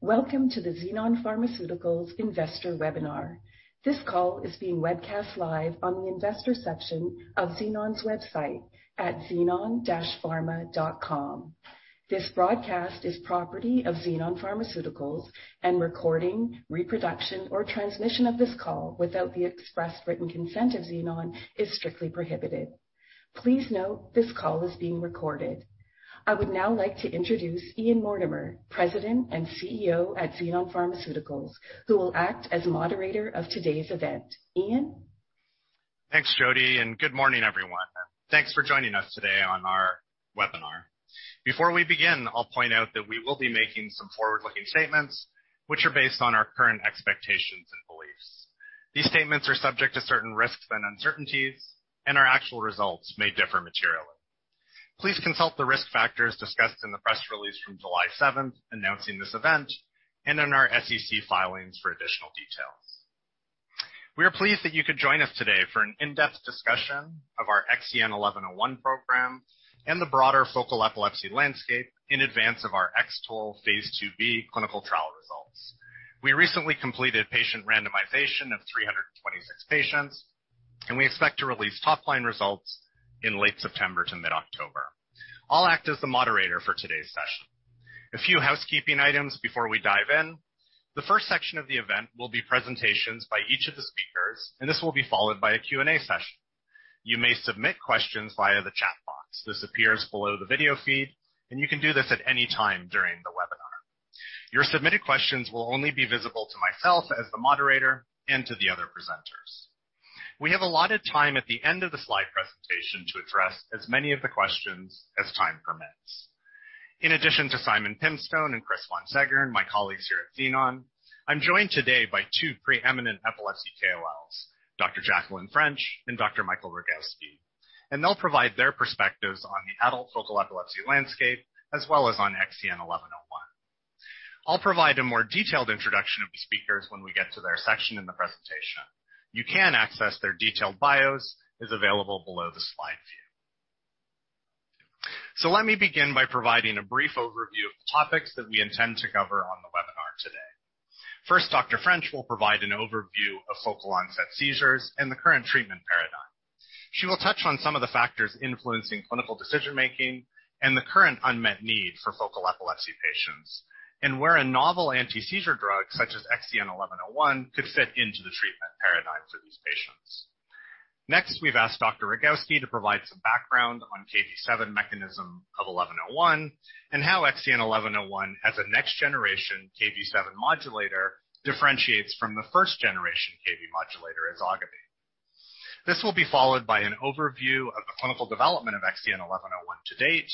Welcome to the Xenon Pharmaceuticals Investor Webinar. This call is being webcast live on the Investors section of Xenon's website at xenon-pharma.com. This broadcast is property of Xenon Pharmaceuticals, and recording, reproduction, or transmission of this call without the express written consent of Xenon is strictly prohibited. Please note this call is being recorded. I would now like to introduce Ian Mortimer, President and CEO at Xenon Pharmaceuticals, who will act as moderator of today's event. Ian? Thanks, Jodi, good morning, everyone. Thanks for joining us today on our webinar. Before we begin, I'll point out that we will be making some forward-looking statements, which are based on our current expectations and beliefs. These statements are subject to certain risks and uncertainties, and our actual results may differ materially. Please consult the risk factors discussed in the press release from July 7th announcing this event and in our SEC filings for additional details. We are pleased that you could join us today for an in-depth discussion of our XEN1101 program and the broader focal epilepsy landscape in advance of our X-TOLE phase II-B clinical trial results. We recently completed patient randomization of 326 patients, and we expect to release top-line results in late September to mid-October. I'll act as the moderator for today's session. A few housekeeping items before we dive in. The first section of the event will be presentations by each of the speakers, and this will be followed by a Q&A session. You may submit questions via the chat box. This appears below the video feed, and you can do this at any time during the webinar. Your submitted questions will only be visible to myself as the moderator and to the other presenters. We have allotted time at the end of the slide presentation to address as many of the questions as time permits. In addition to Simon Pimstone and Chris Von Seggern, my colleagues here at Xenon, I am joined today by two preeminent epilepsy KOLs, Dr. Jacqueline French and Dr. Michael Rogawski, and they will provide their perspectives on the adult focal epilepsy landscape as well as on XEN1101. I will provide a more detailed introduction of the speakers when we get to their section in the presentation. You can access their detailed bios, is available below the slide view. Let me begin by providing a brief overview of topics that we intend to cover on the webinar today. First, Dr. French will provide an overview of focal onset seizures and the current treatment paradigm. She will touch on some of the factors influencing clinical decision-making and the current unmet need for focal epilepsy patients, and where a novel antiseizure drug such as XEN1101 could fit into the treatment paradigms of these patients. Next, we've asked Dr. Rogawski to provide some background on Kv7 mechanism of XEN1101 and how XEN1101 as a next-generation Kv7 modulator differentiates from the first-generation Kv7 modulator, ezogabine. This will be followed by an overview of the clinical development of XEN1101 to date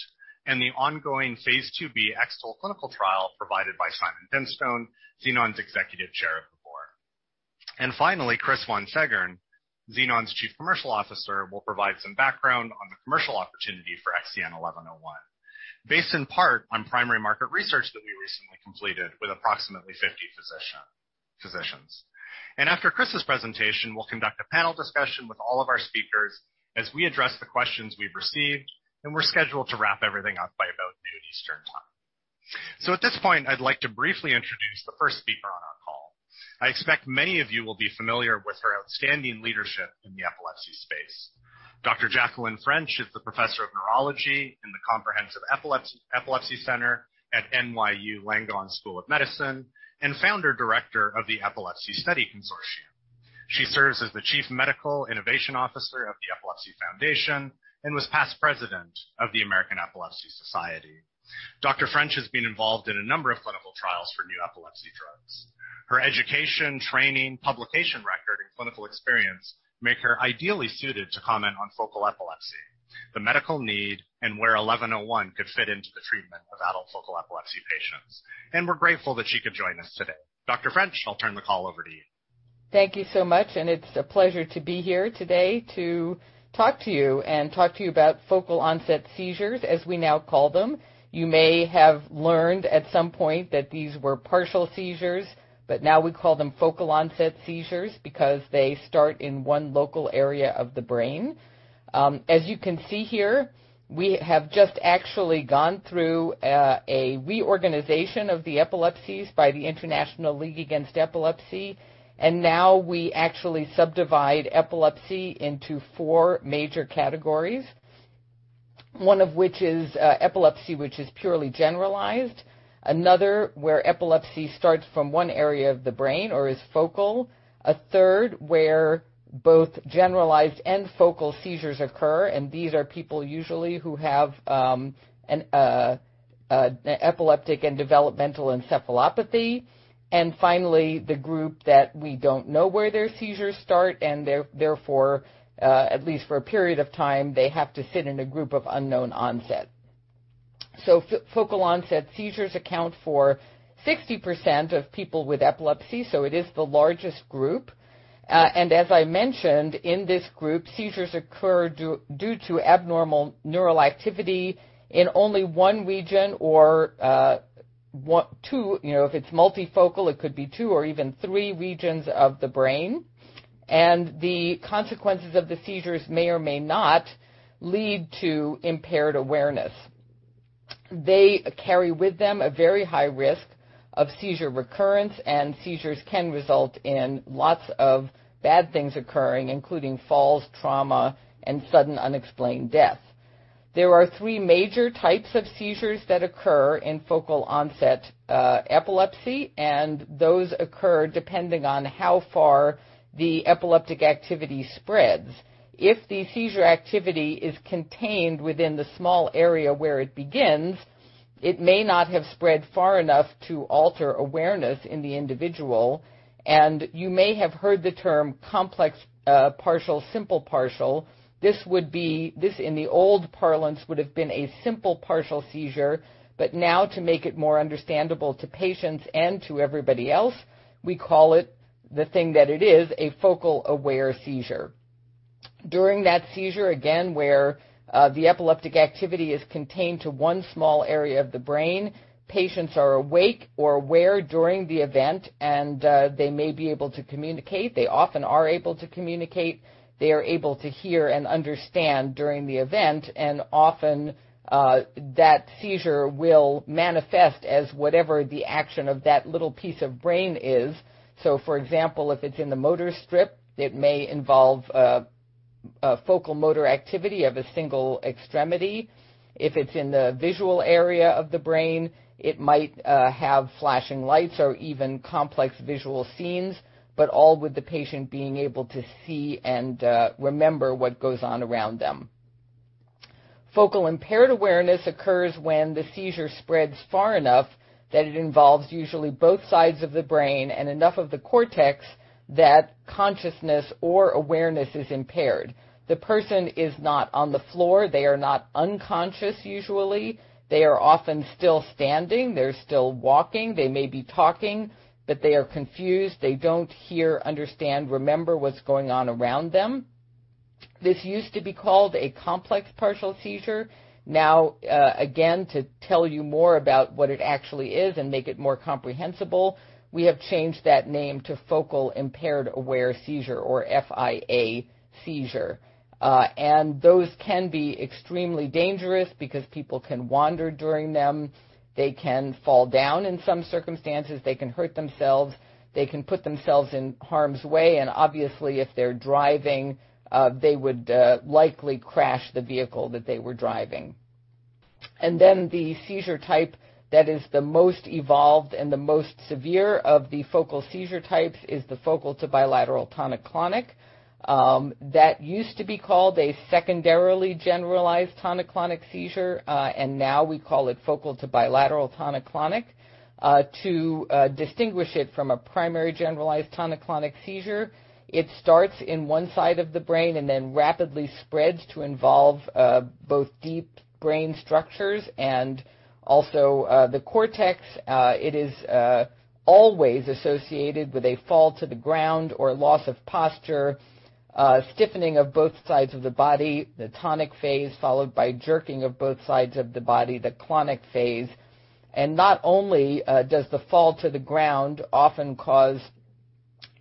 and the ongoing phase II-B X-TOLE clinical trial provided by Simon Pimstone, Xenon's Executive Chair of the Board. Finally, Chris Von Seggern, Xenon's Chief Commercial Officer, will provide some background on the commercial opportunity for XEN1101, based in part on primary market research that we recently completed with approximately 50 physicians. After Chris's presentation, we'll conduct a panel discussion with all of our speakers as we address the questions we've received, and we're scheduled to wrap everything up by about noon Eastern Time. At this point, I'd like to briefly introduce the first speaker on our call. I expect many of you will be familiar with her outstanding leadership in the epilepsy space. Dr. Jacqueline French is the Professor of Neurology in the Comprehensive Epilepsy Center at NYU Grossman School of Medicine and Founder Director of the Epilepsy Study Consortium. She serves as the Chief Medical Innovation Officer of the Epilepsy Foundation and was past President of the American Epilepsy Society. Dr. French has been involved in a number of clinical trials for new epilepsy drugs. Her education, training, publication record, and clinical experience make her ideally suited to comment on focal epilepsy, the medical need, and where XEN1101 could fit into the treatment of adult focal epilepsy patients. We're grateful that she could join us today. Dr. French, I'll turn the call over to you. Thank you so much, it's a pleasure to be here today to talk to you and talk to you about focal-onset seizures, as we now call them. You may have learned at some point that these were partial seizures, now we call them focal-onset seizures because they start in one local area of the brain. As you can see here, we have just actually gone through a reorganization of the epilepsies by the International League Against Epilepsy, now we actually subdivide epilepsy into four major categories. One of which is epilepsy, which is purely generalized. Another, where epilepsy starts from one area of the brain or is focal. A third, where both generalized and focal seizures occur, these are people usually who have an epileptic and developmental encephalopathy. Finally, the group that we don't know where their seizures start, and therefore, at least for a period of time, they have to fit in a group of unknown onset. Focal onset seizures account for 60% of people with epilepsy, so it is the largest group. As I mentioned, in this group, seizures occur due to abnormal neural activity in only one region or two. If it's multifocal, it could be two or even three regions of the brain. The consequences of the seizures may or may not lead to impaired awareness. They carry with them a very high risk of seizure recurrence, and seizures can result in lots of bad things occurring, including falls, trauma, and sudden unexplained death. There are three major types of seizures that occur in focal onset epilepsy, and those occur depending on how far the epileptic activity spreads. If the seizure activity is contained within the small area where it begins, it may not have spread far enough to alter awareness in the individual. You may have heard the term complex partial/simple partial. This, in the old parlance, would have been a simple partial seizure, but now to make it more understandable to patients and to everybody else, we call it the thing that it is, a focal aware seizure. During that seizure, again, where the epileptic activity is contained to one small area of the brain, patients are awake or aware during the event, and they may be able to communicate. They often are able to communicate. They are able to hear and understand during the event. Often, that seizure will manifest as whatever the action of that little piece of brain is. For example, if it's in the motor strip, it may involve focal motor activity of a single extremity. If it's in the visual area of the brain, it might have flashing lights or even complex visual scenes, but all with the patient being able to see and remember what goes on around them. Focal impaired awareness occurs when the seizure spreads far enough that it involves usually both sides of the brain and enough of the cortex that consciousness or awareness is impaired. The person is not on the floor. They are not unconscious usually. They are often still standing. They're still walking. They may be talking, but they are confused. They don't hear, understand, remember what's going on around them. This used to be called a complex partial seizure. Again, to tell you more about what it actually is and make it more comprehensible, we have changed that name to focal impaired awareness seizure, or FIA seizure. Those can be extremely dangerous because people can wander during them. They can fall down in some circumstances. They can hurt themselves. They can put themselves in harm's way, and obviously, if they're driving, they would likely crash the vehicle that they were driving. Then the seizure type that is the most evolved and the most severe of the focal seizure types is the focal to bilateral tonic-clonic. That used to be called a secondarily generalized tonic-clonic seizure, and now we call it focal to bilateral tonic-clonic to distinguish it from a primary generalized tonic-clonic seizure. It starts in one side of the brain and then rapidly spreads to involve both deep brain structures and also the cortex. It is always associated with a fall to the ground or loss of posture, stiffening of both sides of the body, the tonic phase, followed by jerking of both sides of the body, the clonic phase. Not only does the fall to the ground often cause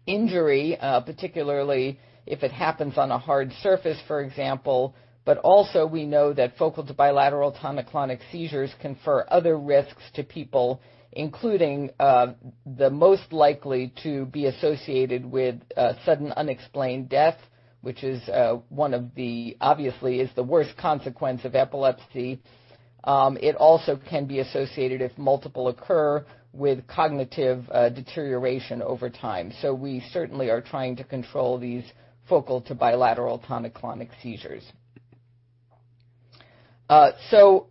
injury, particularly if it happens on a hard surface, for example, but also we know that focal to bilateral tonic-clonic seizures confer other risks to people, including the most likely to be associated with sudden unexplained death, which obviously is the worst consequence of epilepsy. It also can be associated, if multiple occur, with cognitive deterioration over time. We certainly are trying to control these focal to bilateral tonic-clonic seizures.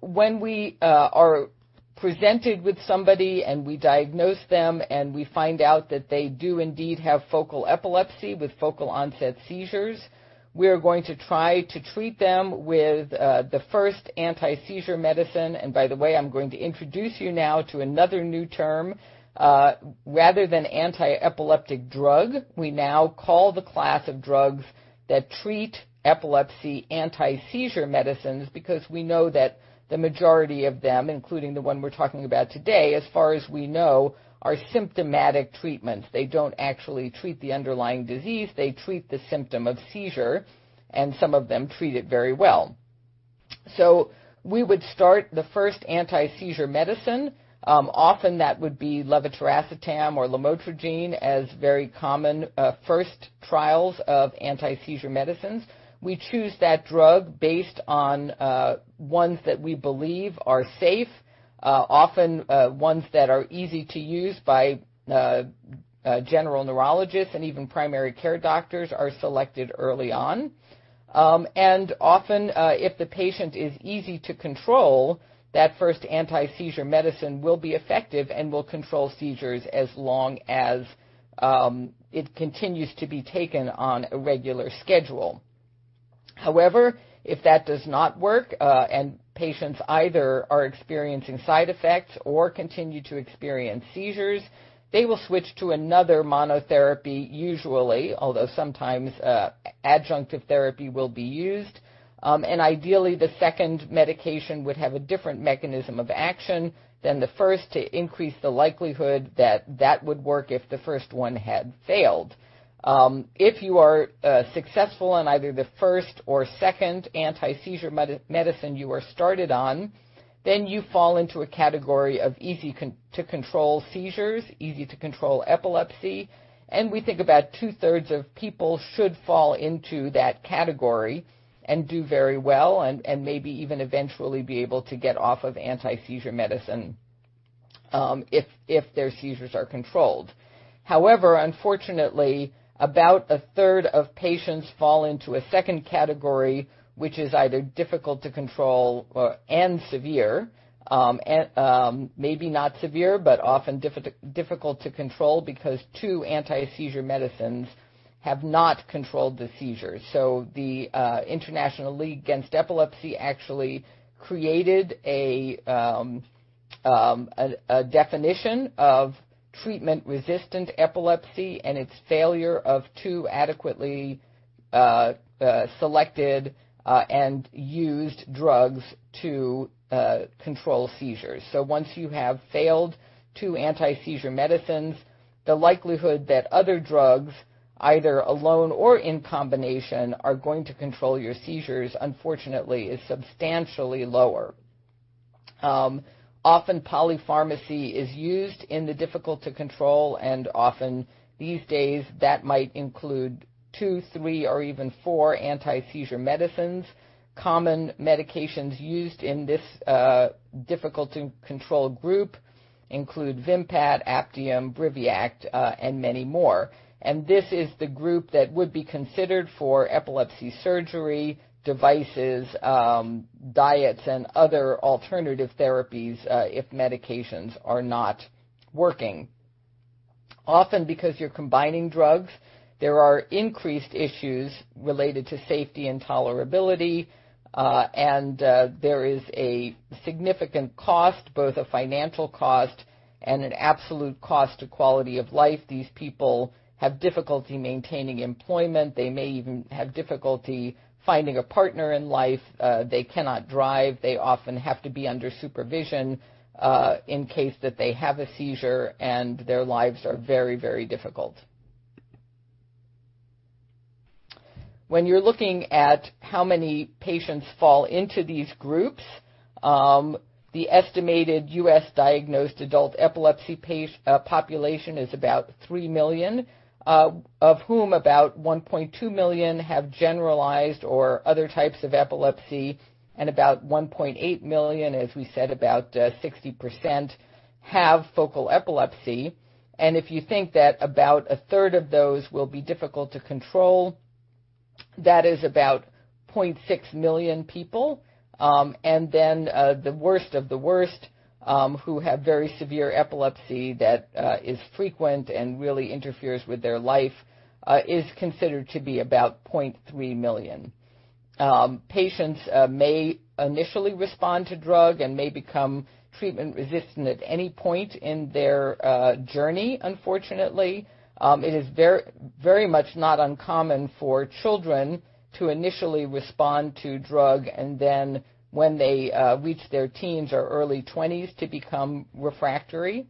When we are presented with somebody, and we diagnose them, and we find out that they do indeed have focal epilepsy with focal onset seizures, we are going to try to treat them with the first antiseizure medicine. By the way, I'm going to introduce you now to another new term. Rather than antiepileptic drug, we now call the class of drugs that treat epilepsy antiseizure medicines because we know that the majority of them, including the one we're talking about today, as far as we know, are symptomatic treatments. They don't actually treat the underlying disease. They treat the symptom of seizure, and some of them treat it very well. We would start the first antiseizure medicine. Often, that would be levetiracetam or lamotrigine as very common first trials of antiseizure medicines. We choose that drug based on ones that we believe are safe. Often, ones that are easy to use by general neurologists and even primary care doctors are selected early on. Often, if the patient is easy to control, that first antiseizure medicine will be effective and will control seizures as long as it continues to be taken on a regular schedule. However, if that does not work, and patients either are experiencing side effects or continue to experience seizures, they will switch to another monotherapy usually. Although sometimes adjunctive therapy will be used. Ideally, the second medication would have a different mechanism of action than the first to increase the likelihood that that would work if the first one had failed. If you are successful on either the first or second antiseizure medicine you were started on. You fall into a category of easy-to-control seizures, easy-to-control epilepsy, and we think about 2/3 of people should fall into that category and do very well and maybe even eventually be able to get off of antiseizure medicine if their seizures are controlled. However, unfortunately, about 1/3 of patients fall into a second category, which is either difficult to control and severe. Maybe not severe, but often difficult to control because two antiseizure medicines have not controlled the seizures. The International League Against Epilepsy actually created a definition of treatment-resistant epilepsy, and it's failure of two adequately selected and used drugs to control seizures. Once you have failed two antiseizure medicines, the likelihood that other drugs, either alone or in combination, are going to control your seizures, unfortunately, is substantially lower. Often polypharmacy is used in the difficult-to-control, and often these days that might include two, three, or even four antiseizure medicines. Common medications used in this difficult-to-control group include VIMPAT, APTIOM, BRIVIACT, and many more. This is the group that would be considered for epilepsy surgery, devices, diets, and other alternative therapies if medications are not working. Often because you're combining drugs, there are increased issues related to safety and tolerability, and there is a significant cost, both a financial cost and an absolute cost to quality of life. These people have difficulty maintaining employment. They may even have difficulty finding a partner in life. They cannot drive. They often have to be under supervision in case that they have a seizure, and their lives are very, very difficult. When you're looking at how many patients fall into these groups, the estimated U.S.-diagnosed adult epilepsy population is about 3 million, of whom about 1.2 million have generalized or other types of epilepsy, 1.8 million, as we said, about 60%, have focal epilepsy. If you think that about a third of those will be difficult to control, that is about 0.6 million people. The worst of the worst who have very severe epilepsy that is frequent and really interferes with their life is considered to be about 0.3 million. Patients may initially respond to drug and may become treatment-resistant at any point in their journey, unfortunately. It is very much not uncommon for children to initially respond to drug and then when they reach their teens or early 20s, to become refractory.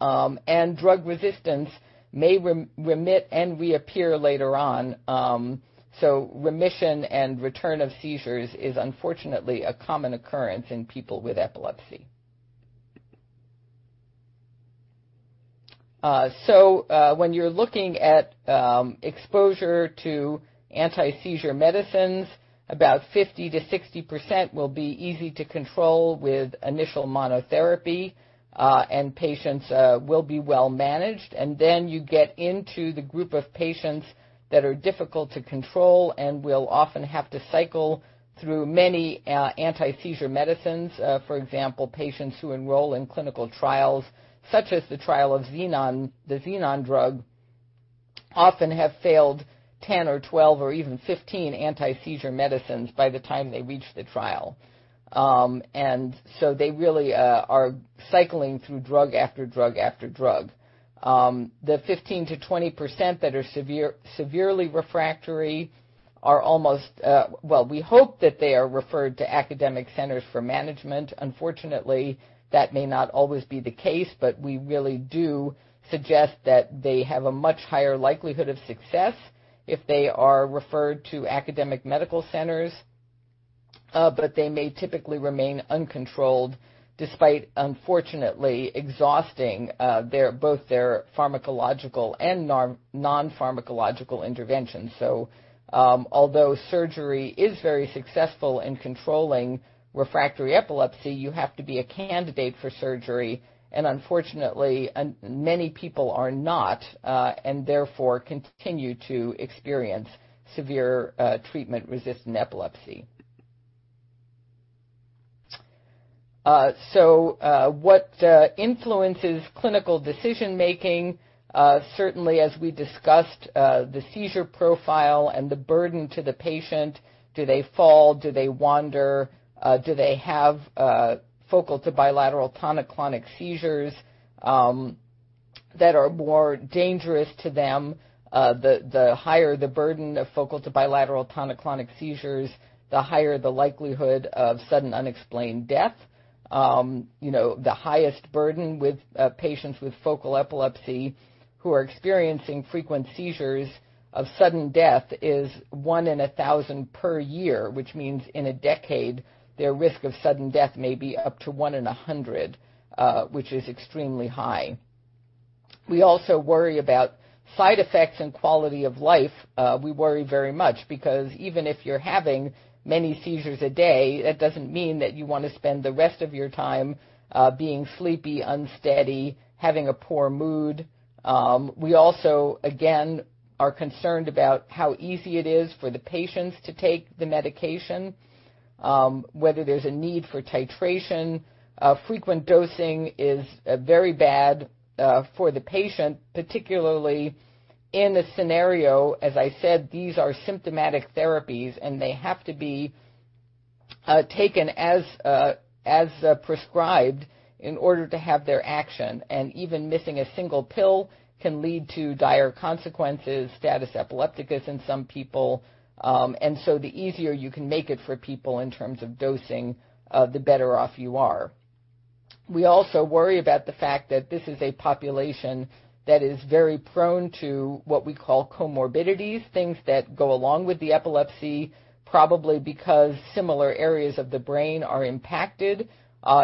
Drug resistance may remit and reappear later on. Remission and return of seizures is unfortunately a common occurrence in people with epilepsy. When you're looking at exposure to antiseizure medicines, about 50%-60% will be easy to control with initial monotherapy, and patients will be well managed. You get into the group of patients that are difficult to control and will often have to cycle through many antiseizure medicines. For example, patients who enroll in clinical trials, such as the trial of the Xenon drug, often have failed 10 or 12 or even 15 antiseizure medicines by the time they reach the trial. They really are cycling through drug after drug after drug. The 15%-20% that are severely refractory are Well, we hope that they are referred to academic centers for management. Unfortunately, that may not always be the case, we really do suggest that they have a much higher likelihood of success if they are referred to academic medical centers. They may typically remain uncontrolled despite unfortunately exhausting both their pharmacological and non-pharmacological interventions. Although surgery is very successful in controlling refractory epilepsy, you have to be a candidate for surgery, and unfortunately many people are not, and therefore continue to experience severe treatment-resistant epilepsy. What influences clinical decision-making? Certainly, as we discussed, the seizure profile and the burden to the patient. Do they fall? Do they wander? Do they have focal to bilateral tonic-clonic seizures that are more dangerous to them? The higher the burden of focal to bilateral tonic-clonic seizures, the higher the likelihood of sudden unexplained death. The highest burden with patients with focal epilepsy who are experiencing frequent seizures of sudden death is 1 in 1,000 per year, which means in a decade, their risk of sudden death may be up to 1 in 100, which is extremely high. We also worry about side effects and quality of life. We worry very much because even if you're having many seizures a day, it doesn't mean that you want to spend the rest of your time being sleepy, unsteady, having a poor mood. We also, again, are concerned about how easy it is for the patients to take the medication, whether there's a need for titration. Frequent dosing is very bad for the patient, particularly in a scenario, as I said, these are symptomatic therapies, and they have to be taken as prescribed in order to have their action. Even missing a single pill can lead to dire consequences, status epilepticus in some people. The easier you can make it for people in terms of dosing, the better off you are. We also worry about the fact that this is a population that is very prone to what we call comorbidities, things that go along with the epilepsy, probably because similar areas of the brain are impacted,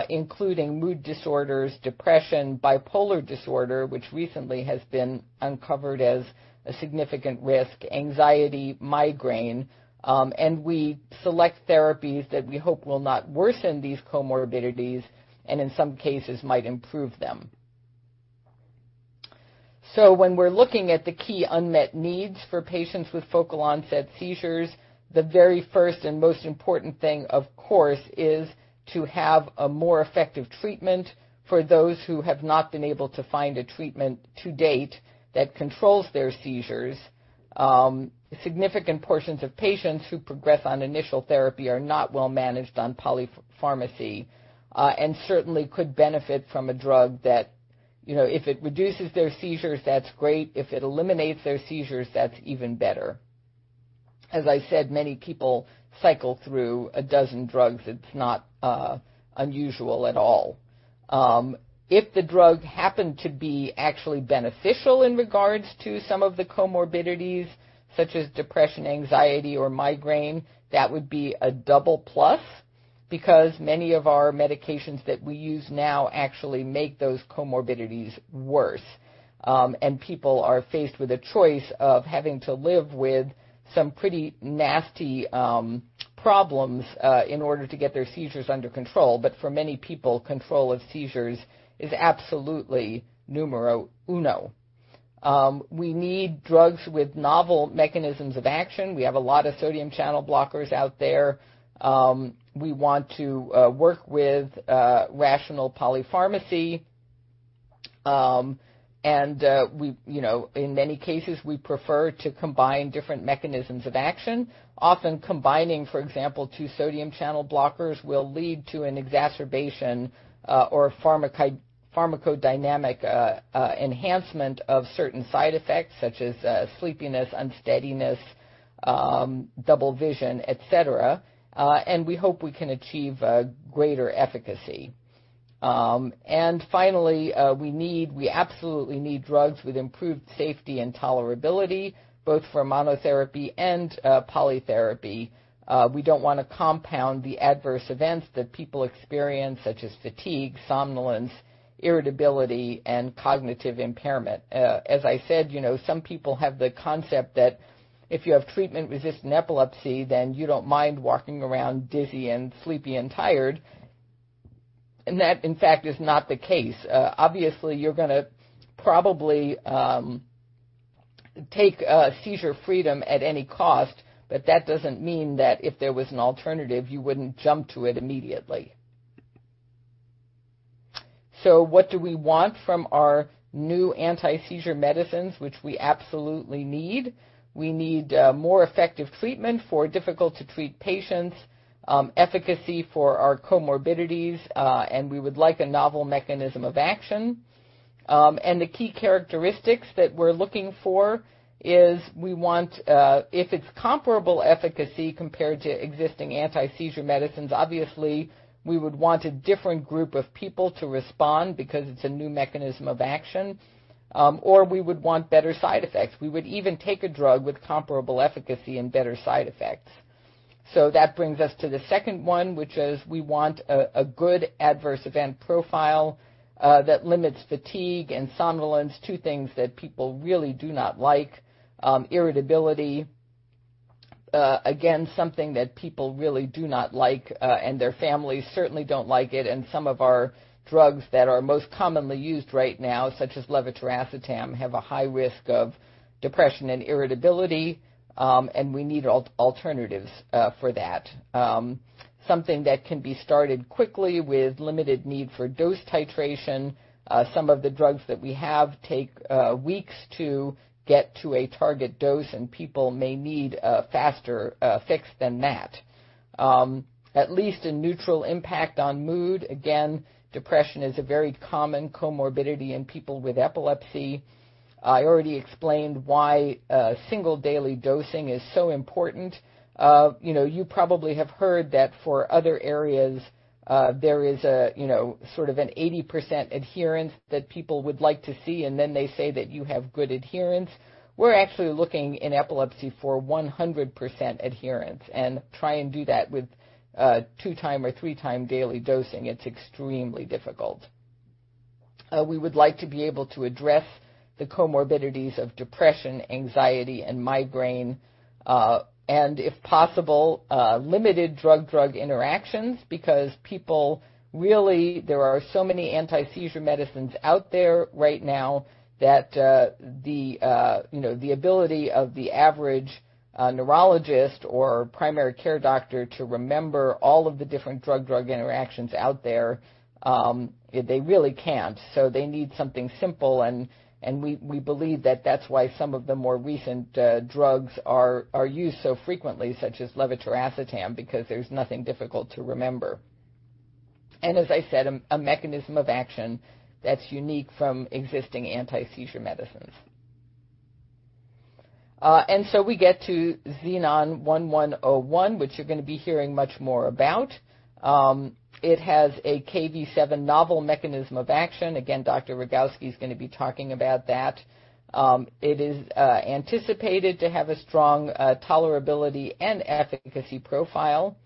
including mood disorders, depression, bipolar disorder, which recently has been uncovered as a significant risk, anxiety, migraine. We select therapies that we hope will not worsen these comorbidities and in some cases might improve them. When we're looking at the key unmet needs for patients with focal onset seizures, the very first and most important thing, of course, is to have a more effective treatment for those who have not been able to find a treatment to date that controls their seizures. Significant portions of patients who progress on initial therapy are not well-managed on polypharmacy and certainly could benefit from a drug that if it reduces their seizures, that's great. If it eliminates their seizures, that's even better. As I said, many people cycle through 12 drugs. It's not unusual at all. If the drugs happen to be actually beneficial in regards to some of the comorbidities such as depression, anxiety, or migraine, that would be a double plus because many of our medications that we use now actually make those comorbidities worse. People are faced with a choice of having to live with some pretty nasty problems in order to get their seizures under control. For many people, control of seizures is absolutely numero uno. We need drugs with novel mechanisms of action. We have a lot of sodium channel blockers out there. We want to work with rational polypharmacy. In many cases, we prefer to combine different mechanisms of action. Often combining, for example, two sodium channel blockers will lead to an exacerbation or pharmacodynamic enhancement of certain side effects such as sleepiness, unsteadiness, double vision, et cetera. We hope we can achieve greater efficacy. Finally, we absolutely need drugs with improved safety and tolerability, both for monotherapy and polytherapy. We don't want to compound the adverse events that people experience, such as fatigue, somnolence, irritability, and cognitive impairment. As I said, some people have the concept that if you have treatment-resistant epilepsy, then you don't mind walking around dizzy and sleepy and tired. That, in fact, is not the case. Obviously, you're going to probably take seizure freedom at any cost, but that doesn't mean that if there was an alternative, you wouldn't jump to it immediately. What do we want from our new antiseizure medicines, which we absolutely need? We need more effective treatment for difficult-to-treat patients, efficacy for our comorbidities, and we would like a novel mechanism of action. The key characteristics that we're looking for is we want, if it's comparable efficacy compared to existing antiseizure medicines, obviously, we would want a different group of people to respond because it's a new mechanism of action. We would want better side effects. We would even take a drug with comparable efficacy and better side effects. That brings us to the second one, which is we want a good adverse event profile that limits fatigue and somnolence, two things that people really do not like. Irritability, again, something that people really do not like, and their families certainly don't like it. Some of our drugs that are most commonly used right now, such as levetiracetam, have a high risk of depression and irritability, and we need alternatives for that. Something that can be started quickly with limited need for dose titration. Some of the drugs that we have take weeks to get to a target dose, and people may need a faster fix than that. At least a neutral impact on mood. Depression is a very common comorbidity in people with epilepsy. I already explained why single daily dosing is so important. You probably have heard that for other areas, there is an 80% adherence that people would like to see. Then they say that you have good adherence. We're actually looking in epilepsy for 100% adherence and try and do that with two-time or three-time daily dosing. It's extremely difficult. We would like to be able to address the comorbidities of depression, anxiety, and migraine. If possible, limited drug-drug interactions, because people really, there are so many antiseizure medicines out there right now that the ability of the average neurologist or primary care doctor to remember all of the different drug-drug interactions out there, they really can't. They need something simple. We believe that's why some of the more recent drugs are used so frequently, such as levetiracetam, because there's nothing difficult to remember. As I said, a mechanism of action that's unique from existing antiseizure medicines. We get to XEN1101, which you're going to be hearing much more about. It has a Kv7 novel mechanism of action. Again, Dr. Rogawski is going to be talking about that. It is anticipated to have a strong tolerability and efficacy profile.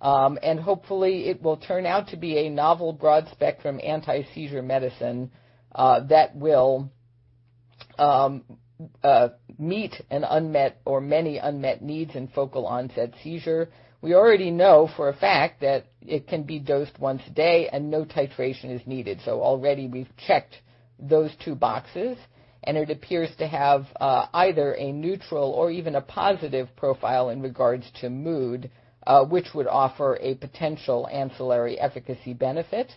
Hopefully, it will turn out to be a novel broad-spectrum antiseizure medicine that will meet many unmet needs in focal onset seizure. We already know for a fact that it can be dosed once a day and no titration is needed. Already we've checked those two boxes, and it appears to have either a neutral or even a positive profile in regards to mood, which would offer a potential ancillary efficacy benefit.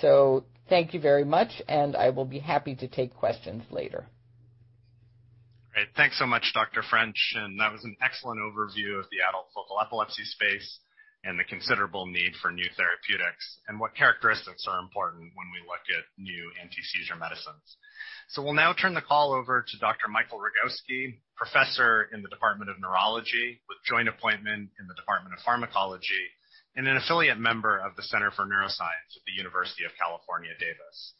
Thank you very much, and I will be happy to take questions later. Great. Thanks so much, Dr. French. That was an excellent overview of the adult focal epilepsy space and the considerable need for new therapeutics and what characteristics are important when we look at new antiseizure medicines. We'll now turn the call over to Dr. Michael Rogawski, professor in the Department of Neurology with joint appointment in the Department of Pharmacology and an affiliate member of the Center for Neuroscience at the University of California, Davis.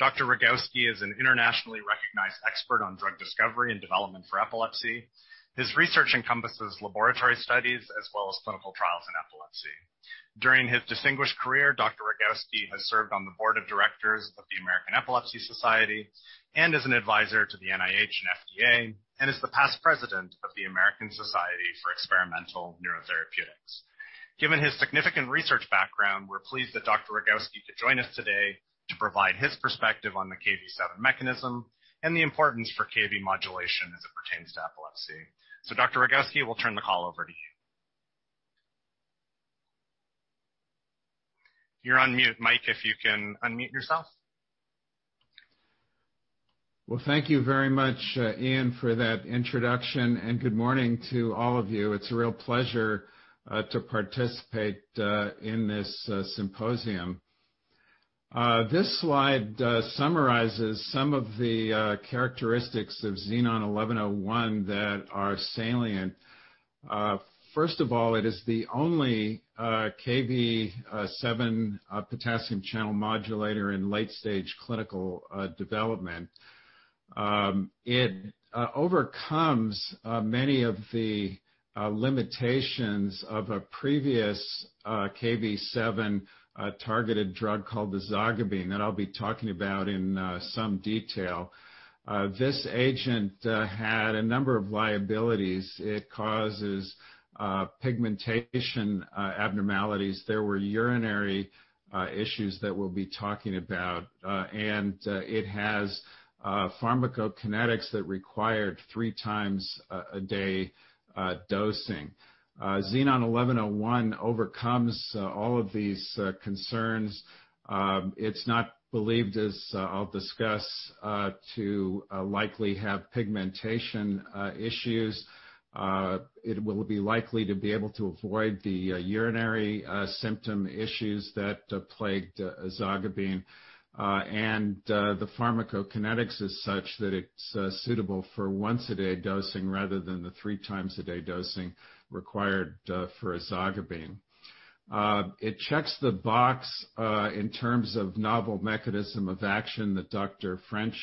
Dr. Rogawski is an internationally recognized expert on drug discovery and development for epilepsy. His research encompasses laboratory studies as well as clinical trials in epilepsy. During his distinguished career, Dr. Rogawski has served on the board of directors of the American Epilepsy Society and is an advisor to the NIH and FDA and is the past president of the American Society for Experimental Neurotherapeutics. Given his significant research background, we're pleased that Dr. Rogawski could join us today to provide his perspective on the Kv7 mechanism and the importance for Kv modulation as it pertains to epilepsy. Dr. Rogawski, we'll turn the call over to you. You're on mute, Mike, if you can unmute yourself. Well, thank you very much, Ian, for that introduction, and good morning to all of you. It's a real pleasure to participate in this symposium. This slide summarizes some of the characteristics of XEN1101 that are salient. First of all, it is the only Kv7 potassium channel modulator in late-stage clinical development. It overcomes many of the limitations of a previous Kv7-targeted drug called ezogabine, and I'll be talking about in some detail. This agent had a number of liabilities. It causes pigmentation abnormalities. There were urinary issues that we'll be talking about. It has pharmacokinetics that required three times a day dosing. XEN1101 overcomes all of these concerns. It's not believed, as I'll discuss, to likely have pigmentation issues. It will be likely to be able to avoid the urinary symptom issues that plagued ezogabine. The pharmacokinetics is such that it's suitable for once-a-day dosing rather than the three times a day dosing required for ezogabine. It checks the box in terms of novel mechanism of action that Dr. French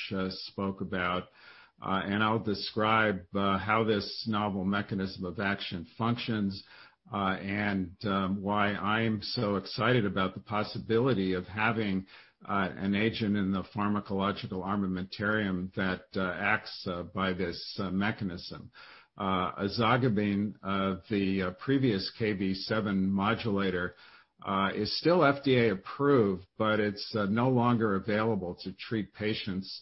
spoke about, and I'll describe how this novel mechanism of action functions and why I am so excited about the possibility of having an agent in the pharmacological armamentarium that acts by this mechanism. ezogabine, the previous Kv7 modulator, is still FDA approved, but it's no longer available to treat patients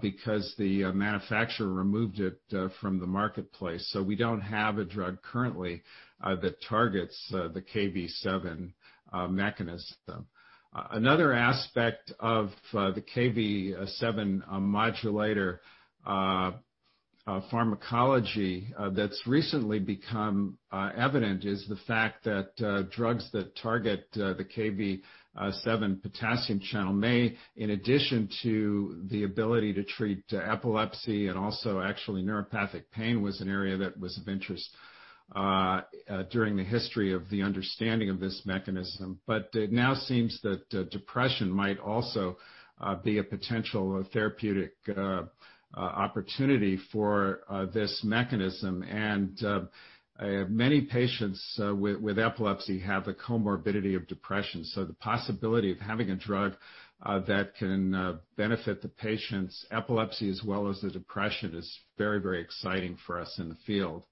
because the manufacturer removed it from the marketplace. We don't have a drug currently that targets the Kv7 mechanism. Another aspect of the Kv7 modulator pharmacology that is recently become evident is the fact that drugs that target the Kv7 potassium channel may, in addition to the ability to treat epilepsy and also actually neuropathic pain was an area that was of interest during the history of the understanding of this mechanism. It now seems that depression might also be a potential therapeutic opportunity for this mechanism. Many patients with epilepsy have a comorbidity of depression. The possibility of having a drug that can benefit the patient's epilepsy as well as the depression is very, very exciting for us in the field.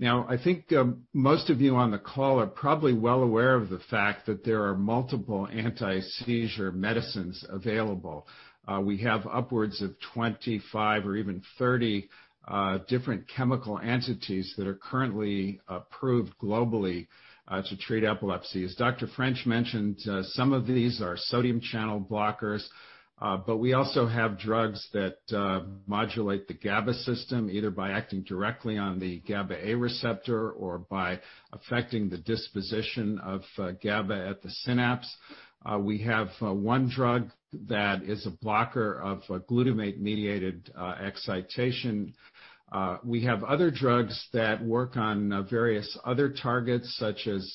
Now, I think most of you on the call are probably well aware of the fact that there are multiple antiseizure medicines available. We have upwards of 25 or even 30 different chemical entities that are currently approved globally to treat epilepsy. As Dr. French mentioned, some of these are sodium channel blockers, but we also have drugs that modulate the GABA system, either by acting directly on the GABAA receptor or by affecting the disposition of GABA at the synapse. We have one drug that is a blocker of glutamate-mediated excitation. We have other drugs that work on various other targets, such as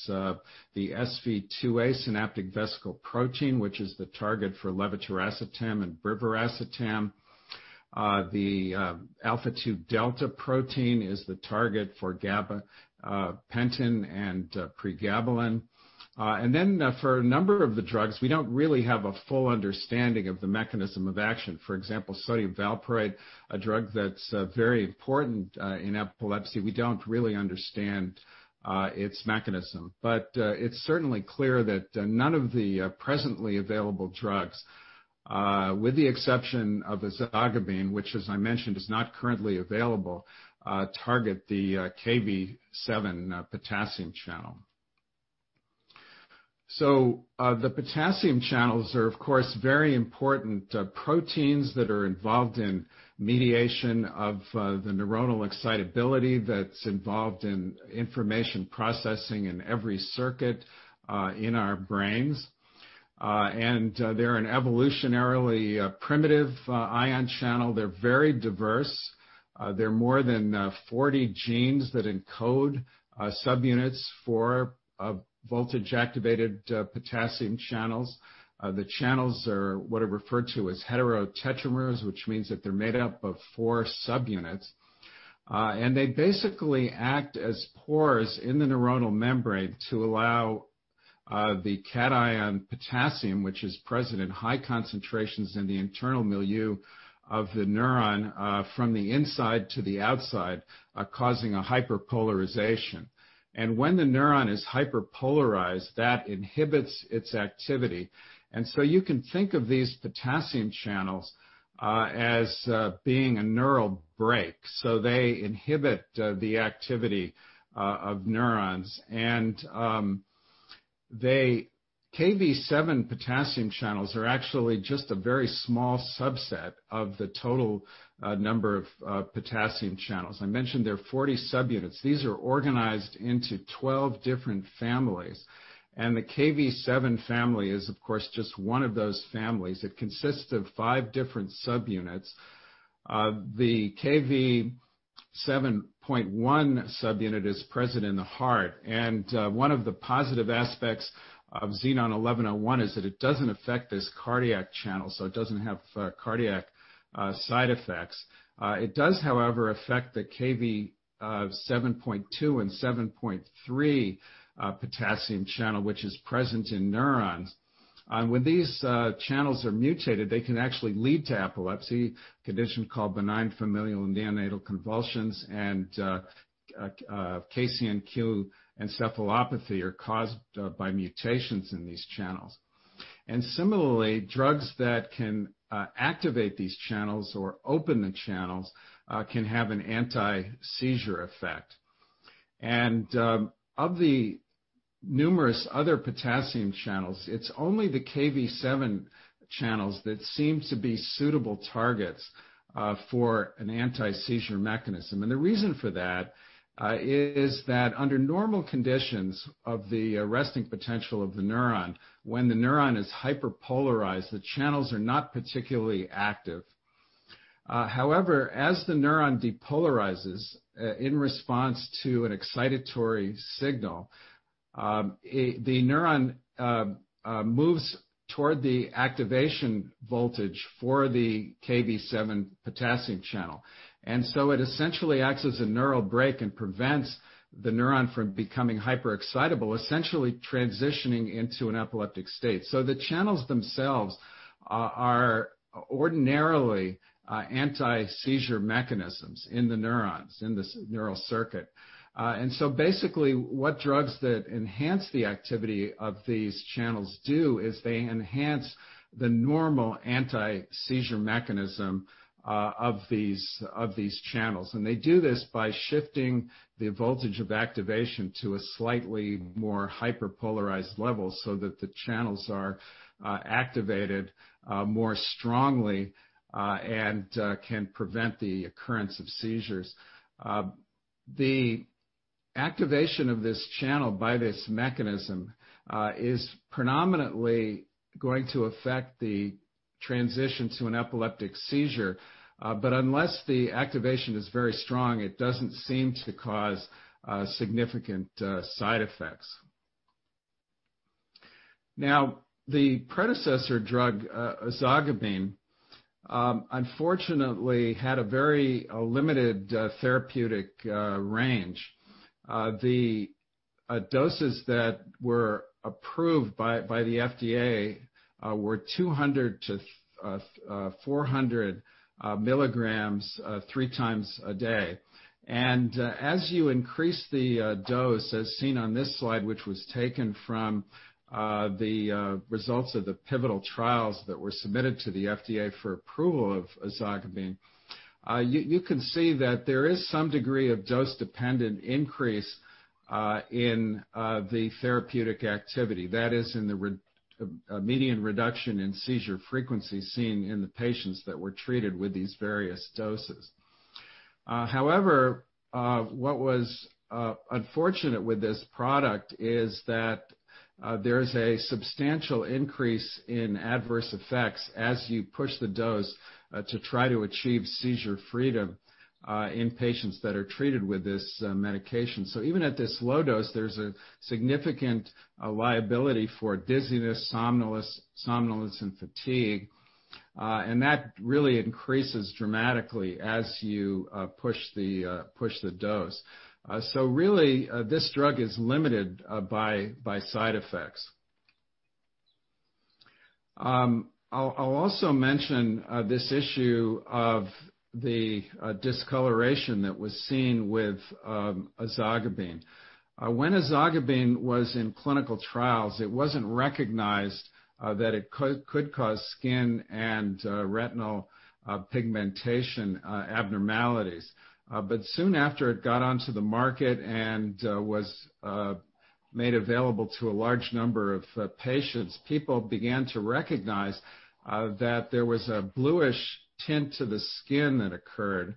the SV2A synaptic vesicle protein, which is the target for levetiracetam and brivaracetam. The alpha-2-delta protein is the target for gabapentin and pregabalin. For a number of the drugs, we don't really have a full understanding of the mechanism of action. For example, sodium valproate, a drug that's very important in epilepsy, we don't really understand its mechanism. It's certainly clear that none of the presently available drugs, with the exception of ezogabine, which as I mentioned, is not currently available, target the Kv7 potassium channel. The potassium channels are, of course, very important proteins that are involved in mediation of the neuronal excitability that's involved in information processing in every circuit in our brains. They're an evolutionarily primitive ion channel. They're very diverse. There are more than 40 genes that encode subunits for voltage-activated potassium channels. The channels are what are referred to as heterotetramers, which means that they're made up of four subunits. They basically act as pores in the neuronal membrane to allow the cation potassium, which is present in high concentrations in the internal milieu of the neuron, from the inside to the outside, causing a hyperpolarization. When the neuron is hyperpolarized, that inhibits its activity. You can think of these potassium channels as being a neural brake. They inhibit the activity of neurons. Kv7 potassium channels are actually just a very small subset of the total number of potassium channels. I mentioned there are 40 subunits. These are organized into 12 different families, and the Kv7 family is, of course, just one of those families. It consists of five different subunits. The Kv7.1 subunit is present in the heart, and one of the positive aspects of XEN1101 is that it doesn't affect this cardiac channel, so it doesn't have cardiac side effects. It does, however, affect the Kv7.2 and 7.3 potassium channel, which is present in neurons. When these channels are mutated, they can actually lead to epilepsy. A condition called benign familial neonatal convulsions and KCNQ encephalopathy are caused by mutations in these channels. Similarly, drugs that can activate these channels or open the channels can have an antiseizure effect. Of the numerous other potassium channels, it's only the Kv7 channels that seem to be suitable targets for an antiseizure mechanism. The reason for that is that under normal conditions of the resting potential of the neuron, when the neuron is hyperpolarized, the channels are not particularly active. However, as the neuron depolarizes in response to an excitatory signal, the neuron moves toward the activation voltage for the Kv7 potassium channel. It essentially acts as a neural brake and prevents the neuron from becoming hyperexcitable, essentially transitioning into an epileptic state. The channels themselves are ordinarily antiseizure mechanisms in the neurons in this neural circuit. Basically, what drugs that enhance the activity of these channels do is they enhance the normal antiseizure mechanism of these channels. They do this by shifting the voltage of activation to a slightly more hyperpolarized level so that the channels are activated more strongly and can prevent the occurrence of seizures. The activation of this channel by this mechanism is predominantly going to affect the transition to an epileptic seizure. Unless the activation is very strong, it doesn't seem to cause significant side effects. Now, the predecessor drug, ezogabine, unfortunately, had a very limited therapeutic range. The doses that were approved by the FDA were 200 mg-400 mg three times a day. As you increase the dose, as seen on this slide, which was taken from the results of the pivotal trials that were submitted to the FDA for approval of ezogabine, you can see that there is some degree of dose-dependent increase in the therapeutic activity. That is, in the median reduction in seizure frequency seen in the patients that were treated with these various doses. What was unfortunate with this product is that there's a substantial increase in adverse effects as you push the dose to try to achieve seizure freedom in patients that are treated with this medication. Even at this low dose, there's a significant liability for dizziness, somnolence, and fatigue. That really increases dramatically as you push the dose. Really, this drug is limited by side effects. I'll also mention this issue of the discoloration that was seen with ezogabine. When ezogabine was in clinical trials, it wasn't recognized that it could cause skin and retinal pigmentation abnormalities. Soon after it got onto the market and was made available to a large number of patients, people began to recognize that there was a bluish tint to the skin that occurred.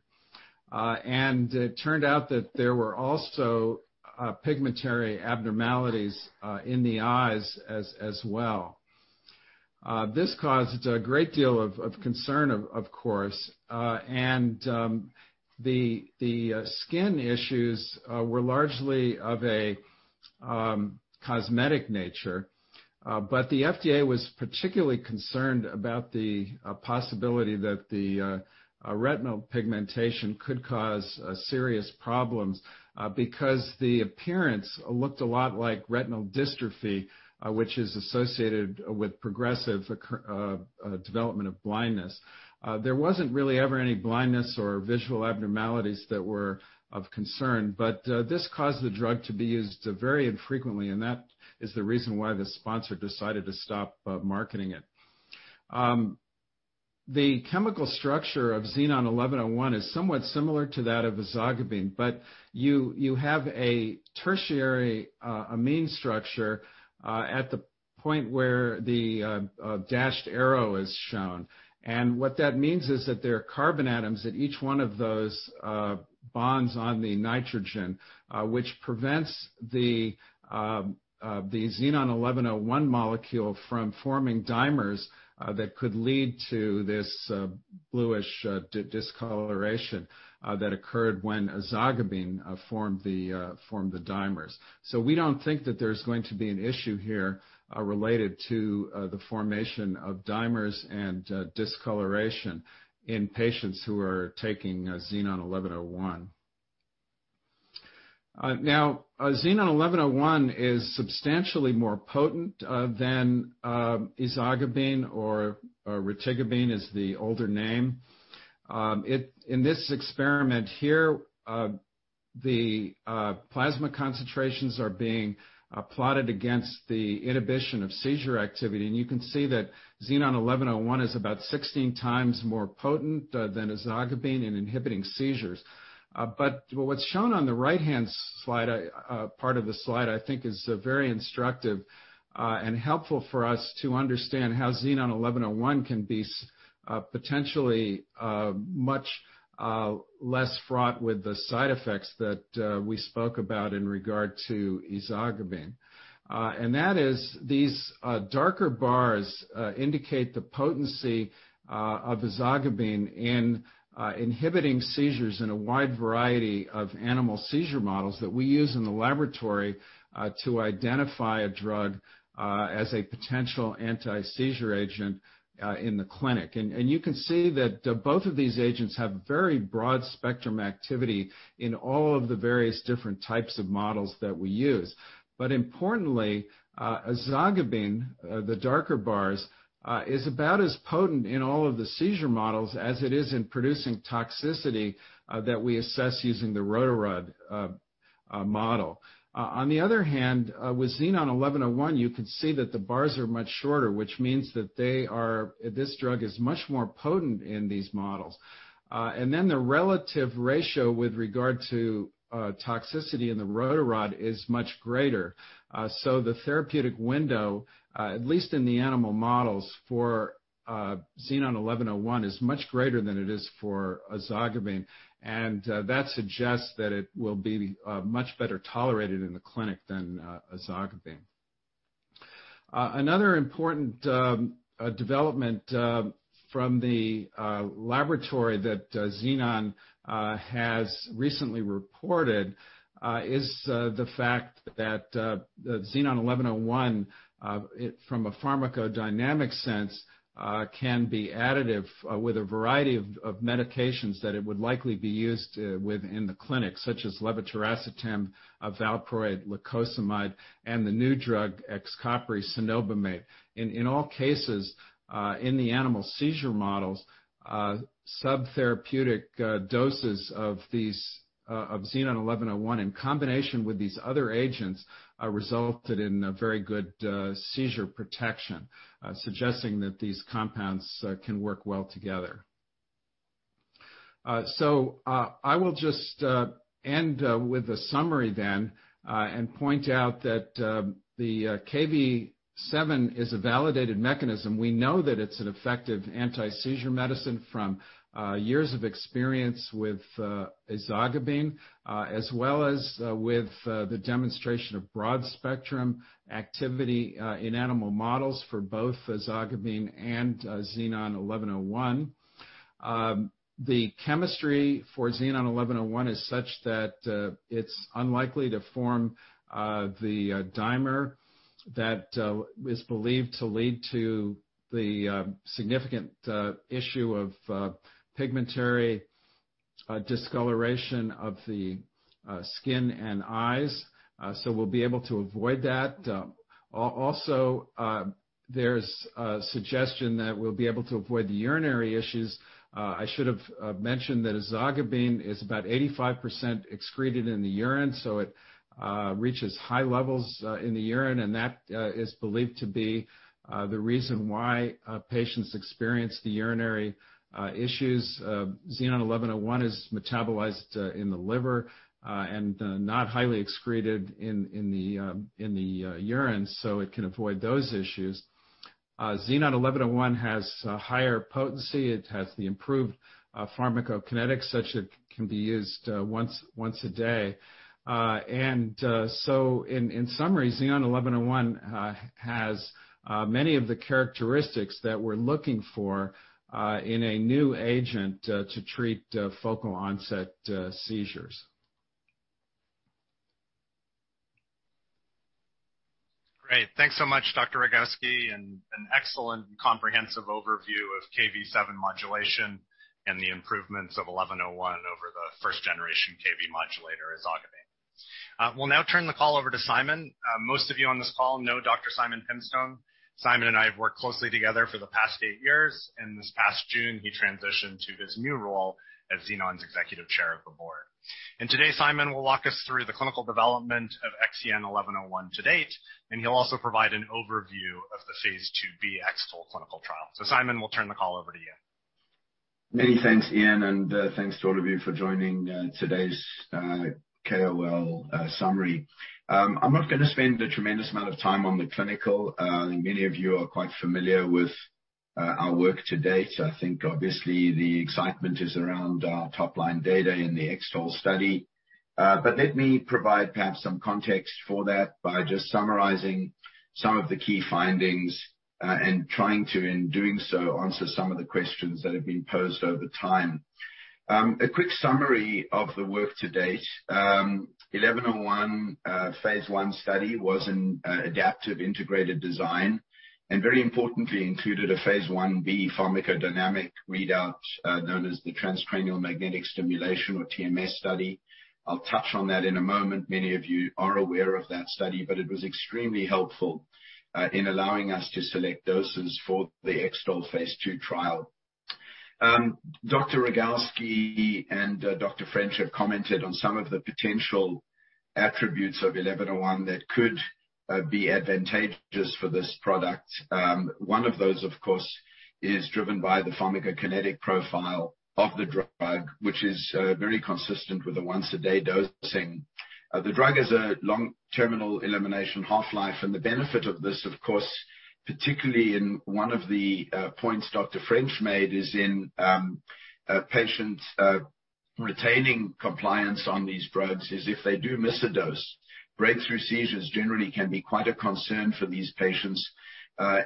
It turned out that there were also pigmentary abnormalities in the eyes as well. This caused a great deal of concern, of course, and the skin issues were largely of a cosmetic nature. The FDA was particularly concerned about the possibility that the retinal pigmentation could cause serious problems, because the appearance looked a lot like retinal dystrophy, which is associated with progressive development of blindness. There wasn't really ever any blindness or visual abnormalities that were of concern, but this caused the drug to be used very infrequently, and that is the reason why the sponsor decided to stop marketing it. The chemical structure of XEN1101 is somewhat similar to that of ezogabine, you have a tertiary amine structure at the point where the dashed arrow is shown. What that means is that there are carbon atoms at each one of those bonds on the nitrogen, which prevents the XEN1101 molecule from forming dimers that could lead to this bluish discoloration that occurred when ezogabine formed the dimers. We don't think that there's going to be an issue here related to the formation of dimers and discoloration in patients who are taking XEN1101. XEN1101 is substantially more potent than ezogabine, or retigabine is the older name. In this experiment here, the plasma concentrations are being plotted against the inhibition of seizure activity, you can see that XEN1101 is about 16 times more potent than ezogabine in inhibiting seizures. What's shown on the right-hand part of the slide, I think, is very instructive and helpful for us to understand how XEN1101 can be potentially much less fraught with the side effects that we spoke about in regard to ezogabine. That is, these darker bars indicate the potency of ezogabine in inhibiting seizures in a wide variety of animal seizure models that we use in the laboratory to identify a drug as a potential antiseizure agent in the clinic. You can see that both of these agents have very broad-spectrum activity in all of the various different types of models that we use. Importantly, ezogabine, the darker bars, is about as potent in all of the seizure models as it is in producing toxicity that we assess using the rotarod model. On the other hand, with XEN1101, you can see that the bars are much shorter, which means that this drug is much more potent in these models. The relative ratio with regard to toxicity in the rotarod is much greater. The therapeutic window, at least in the animal models, for XEN1101 is much greater than it is for ezogabine, and that suggests that it will be much better tolerated in the clinic than ezogabine. Another important development from the laboratory that Xenon has recently reported is the fact that XEN1101, from a pharmacodynamic sense, can be additive with a variety of medications that it would likely be used within the clinic, such as levetiracetam, valproate, lacosamide, and the new drug XCOPRI cenobamate. In all cases, in the animal seizure models, subtherapeutic doses of XEN1101 in combination with these other agents resulted in very good seizure protection, suggesting that these compounds can work well together. I will just end with a summary then and point out that the Kv7 is a validated mechanism. We know that it's an effective antiseizure medicine from years of experience with ezogabine, as well as with the demonstration of broad-spectrum activity in animal models for both ezogabine and XEN1101. The chemistry for XEN1101 is such that it's unlikely to form the dimer that is believed to lead to the significant issue of pigmentary discoloration of the skin and eyes. We'll be able to avoid that. Also, there's a suggestion that we'll be able to avoid the urinary issues. I should have mentioned that ezogabine is about 85% excreted in the urine, so it reaches high levels in the urine, and that is believed to be the reason why patients experience the urinary issues. XEN1101 is metabolized in the liver and not highly excreted in the urine, so it can avoid those issues. XEN1101 has higher potency. It has the improved pharmacokinetics, such that it can be used once a day. In summary, XEN1101 has many of the characteristics that we're looking for in a new agent to treat focal onset seizures. Great. Thanks so much, Dr. Rogawski. An excellent and comprehensive overview of Kv7 modulation and the improvements of XEN1101 over the first-generation Kv modulator ezogabine. We'll now turn the call over to Simon. Most of you on this call know Dr. Simon Pimstone. Simon and I have worked closely together for the past eight years, and this past June, he transitioned to his new role as Xenon's Executive Chair of the Board. Today, Simon will walk us through the clinical development of XEN1101 to date, and he'll also provide an overview of the phase II-B X-TOLE clinical trial. Simon, we'll turn the call over to you. Many thanks, Ian, and thanks to all of you for joining today's KOL summary. I'm not going to spend a tremendous amount of time on the clinical. Many of you are quite familiar with our work to date. I think obviously the excitement is around our top-line data in the X-TOLE study. Let me provide perhaps some context for that by just summarizing some of the key findings and trying to, in doing so, answer some of the questions that have been posed over time. A quick summary of the work to date. XEN1101 phase I study was an adaptive integrated design and very importantly included a phase I-B pharmacodynamic readout known as the transcranial magnetic stimulation or TMS study. I'll touch on that in a moment. Many of you are aware of that study. It was extremely helpful in allowing us to select doses for the X-TOLE phase II trial. Dr. Rogawski and Dr. French have commented on some of the potential attributes of XEN1101 that could be advantageous for this product. One of those, of course, is driven by the pharmacokinetic profile of the drug, which is very consistent with a once-a-day dosing. The drug has a long terminal elimination half-life. The benefit of this, of course, particularly in one of the points Dr. French made, is in patients retaining compliance on these drugs, is if they do miss a dose, breakthrough seizures generally can be quite a concern for these patients.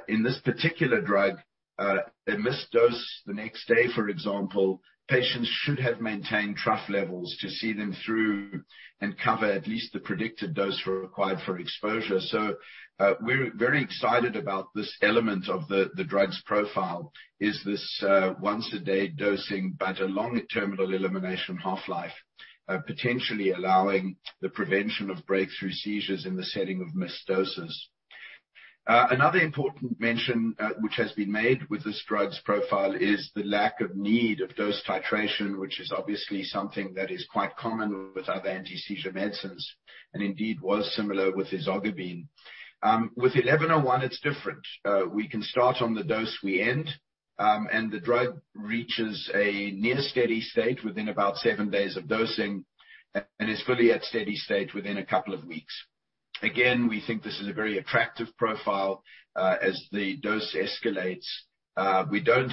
In this particular drug, a missed dose the next day, for example, patients should have maintained trough levels to see them through and cover at least the predicted dose required for exposure. We're very excited about this element of the drug's profile is this once-a-day dosing, but a longer terminal elimination half-life, potentially allowing the prevention of breakthrough seizures in the setting of missed doses. Another important mention which has been made with this drug's profile is the lack of need of dose titration, which is obviously something that is quite common with other antiseizure medicines, and indeed was similar with ezogabine. With XEN1101, it's different. We can start on the dose we end, and the drug reaches a near steady state within about seven days of dosing and is fully at steady state within a couple of weeks. We think this is a very attractive profile as the dose escalates. We've done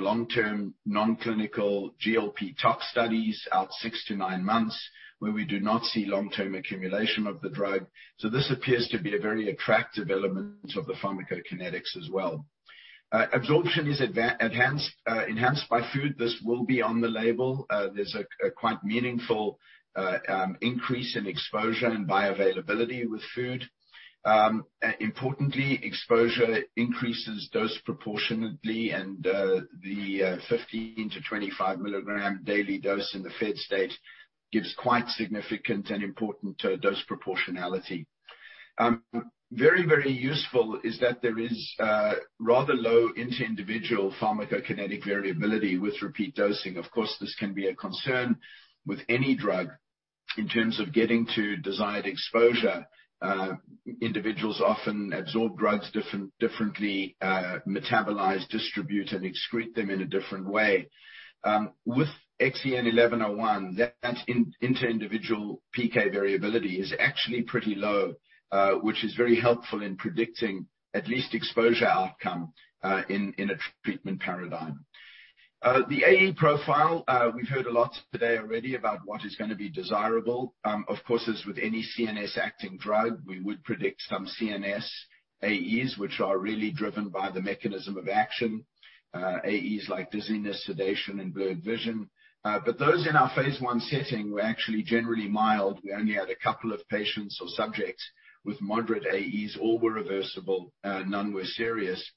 long-term non-clinical GLP tox studies out six to nine months where we do not see long-term accumulation of the drug. This appears to be a very attractive element of the pharmacokinetics as well. Absorption is enhanced by food. This will be on the label. There is a quite meaningful increase in exposure and bioavailability with food. Importantly, exposure increases dose proportionately and the 15 mg-25 mg daily dose in the fed state gives quite significant and important dose proportionality. Very useful is that there is rather low inter-individual pharmacokinetic variability with repeat dosing. Of course, this can be a concern with any drug in terms of getting to desired exposure. Individuals often absorb drugs differently, metabolize, distribute, and excrete them in a different way. With XEN1101, that inter-individual PK variability is actually pretty low, which is very helpful in predicting at least exposure outcome, in a treatment paradigm. The AE profile, we've heard a lot today already about what is going to be desirable. Of course, as with any CNS acting drug, we would predict some CNS AEs, which are really driven by the mechanism of action. AEs like dizziness, sedation, and blurred vision. Those in our phase I setting were actually generally mild. We only had a couple of patients or subjects with moderate AEs. All were reversible, none were serious.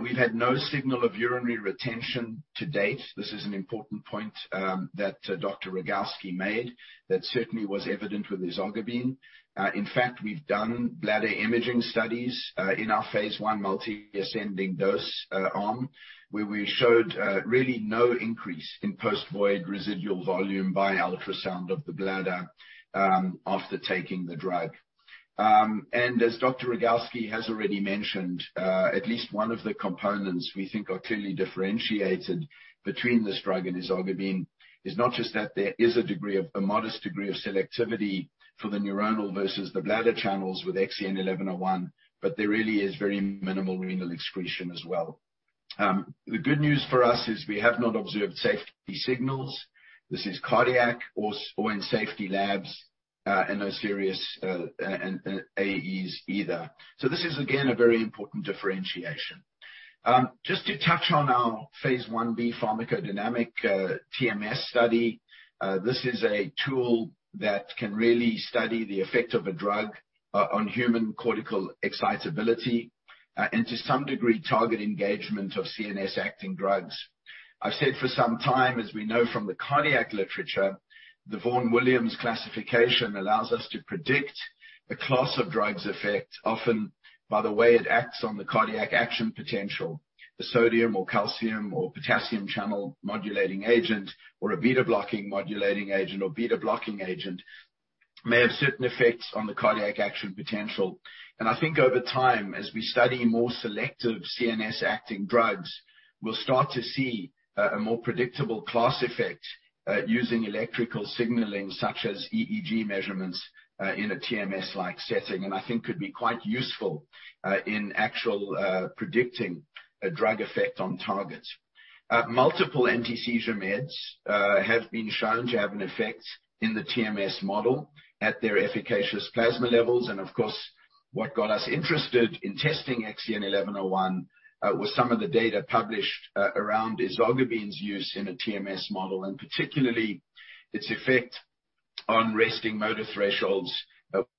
We've had no signal of urinary retention to date. This is an important point that Dr. Rogawski made that certainly was evident with ezogabine. In fact, we've done bladder imaging studies in our phase I multi-ascending dose arm, where we showed really no increase in post-void residual volume by ultrasound of the bladder after taking the drug. As Dr. Rogawski has already mentioned, at least one of the components we think are clearly differentiated between this drug and ezogabine is not just that there is a modest degree of selectivity for the neuronal versus the bladder channels with XEN1101, but there really is very minimal renal excretion as well. The good news for us is we have not observed safety signals. This is cardiac or in safety labs, and no serious AEs either. This is again, a very important differentiation. Just to touch on our phase I-B pharmacodynamic TMS study. This is a tool that can really study the effect of a drug on human cortical excitability and to some degree, target engagement of CNS acting drugs. I've said for some time, as we know from the cardiac literature, the Vaughan Williams classification allows us to predict a class of drug's effect, often by the way it acts on the cardiac action potential. A sodium or calcium or potassium channel modulating agent, or a beta blocking modulating agent, or beta blocking agent may have certain effects on the cardiac action potential. I think over time, as we study more selective CNS acting drugs, we'll start to see a more predictable class effect using electrical signaling such as EEG measurements in a TMS-like setting, and I think could be quite useful in actual predicting a drug effect on target. Multiple antiseizure meds have been shown to have an effect in the TMS model at their efficacious plasma levels. Of course, what got us interested in testing XEN1101 was some of the data published around ezogabine's use in a TMS model, and particularly its effect on resting motor thresholds,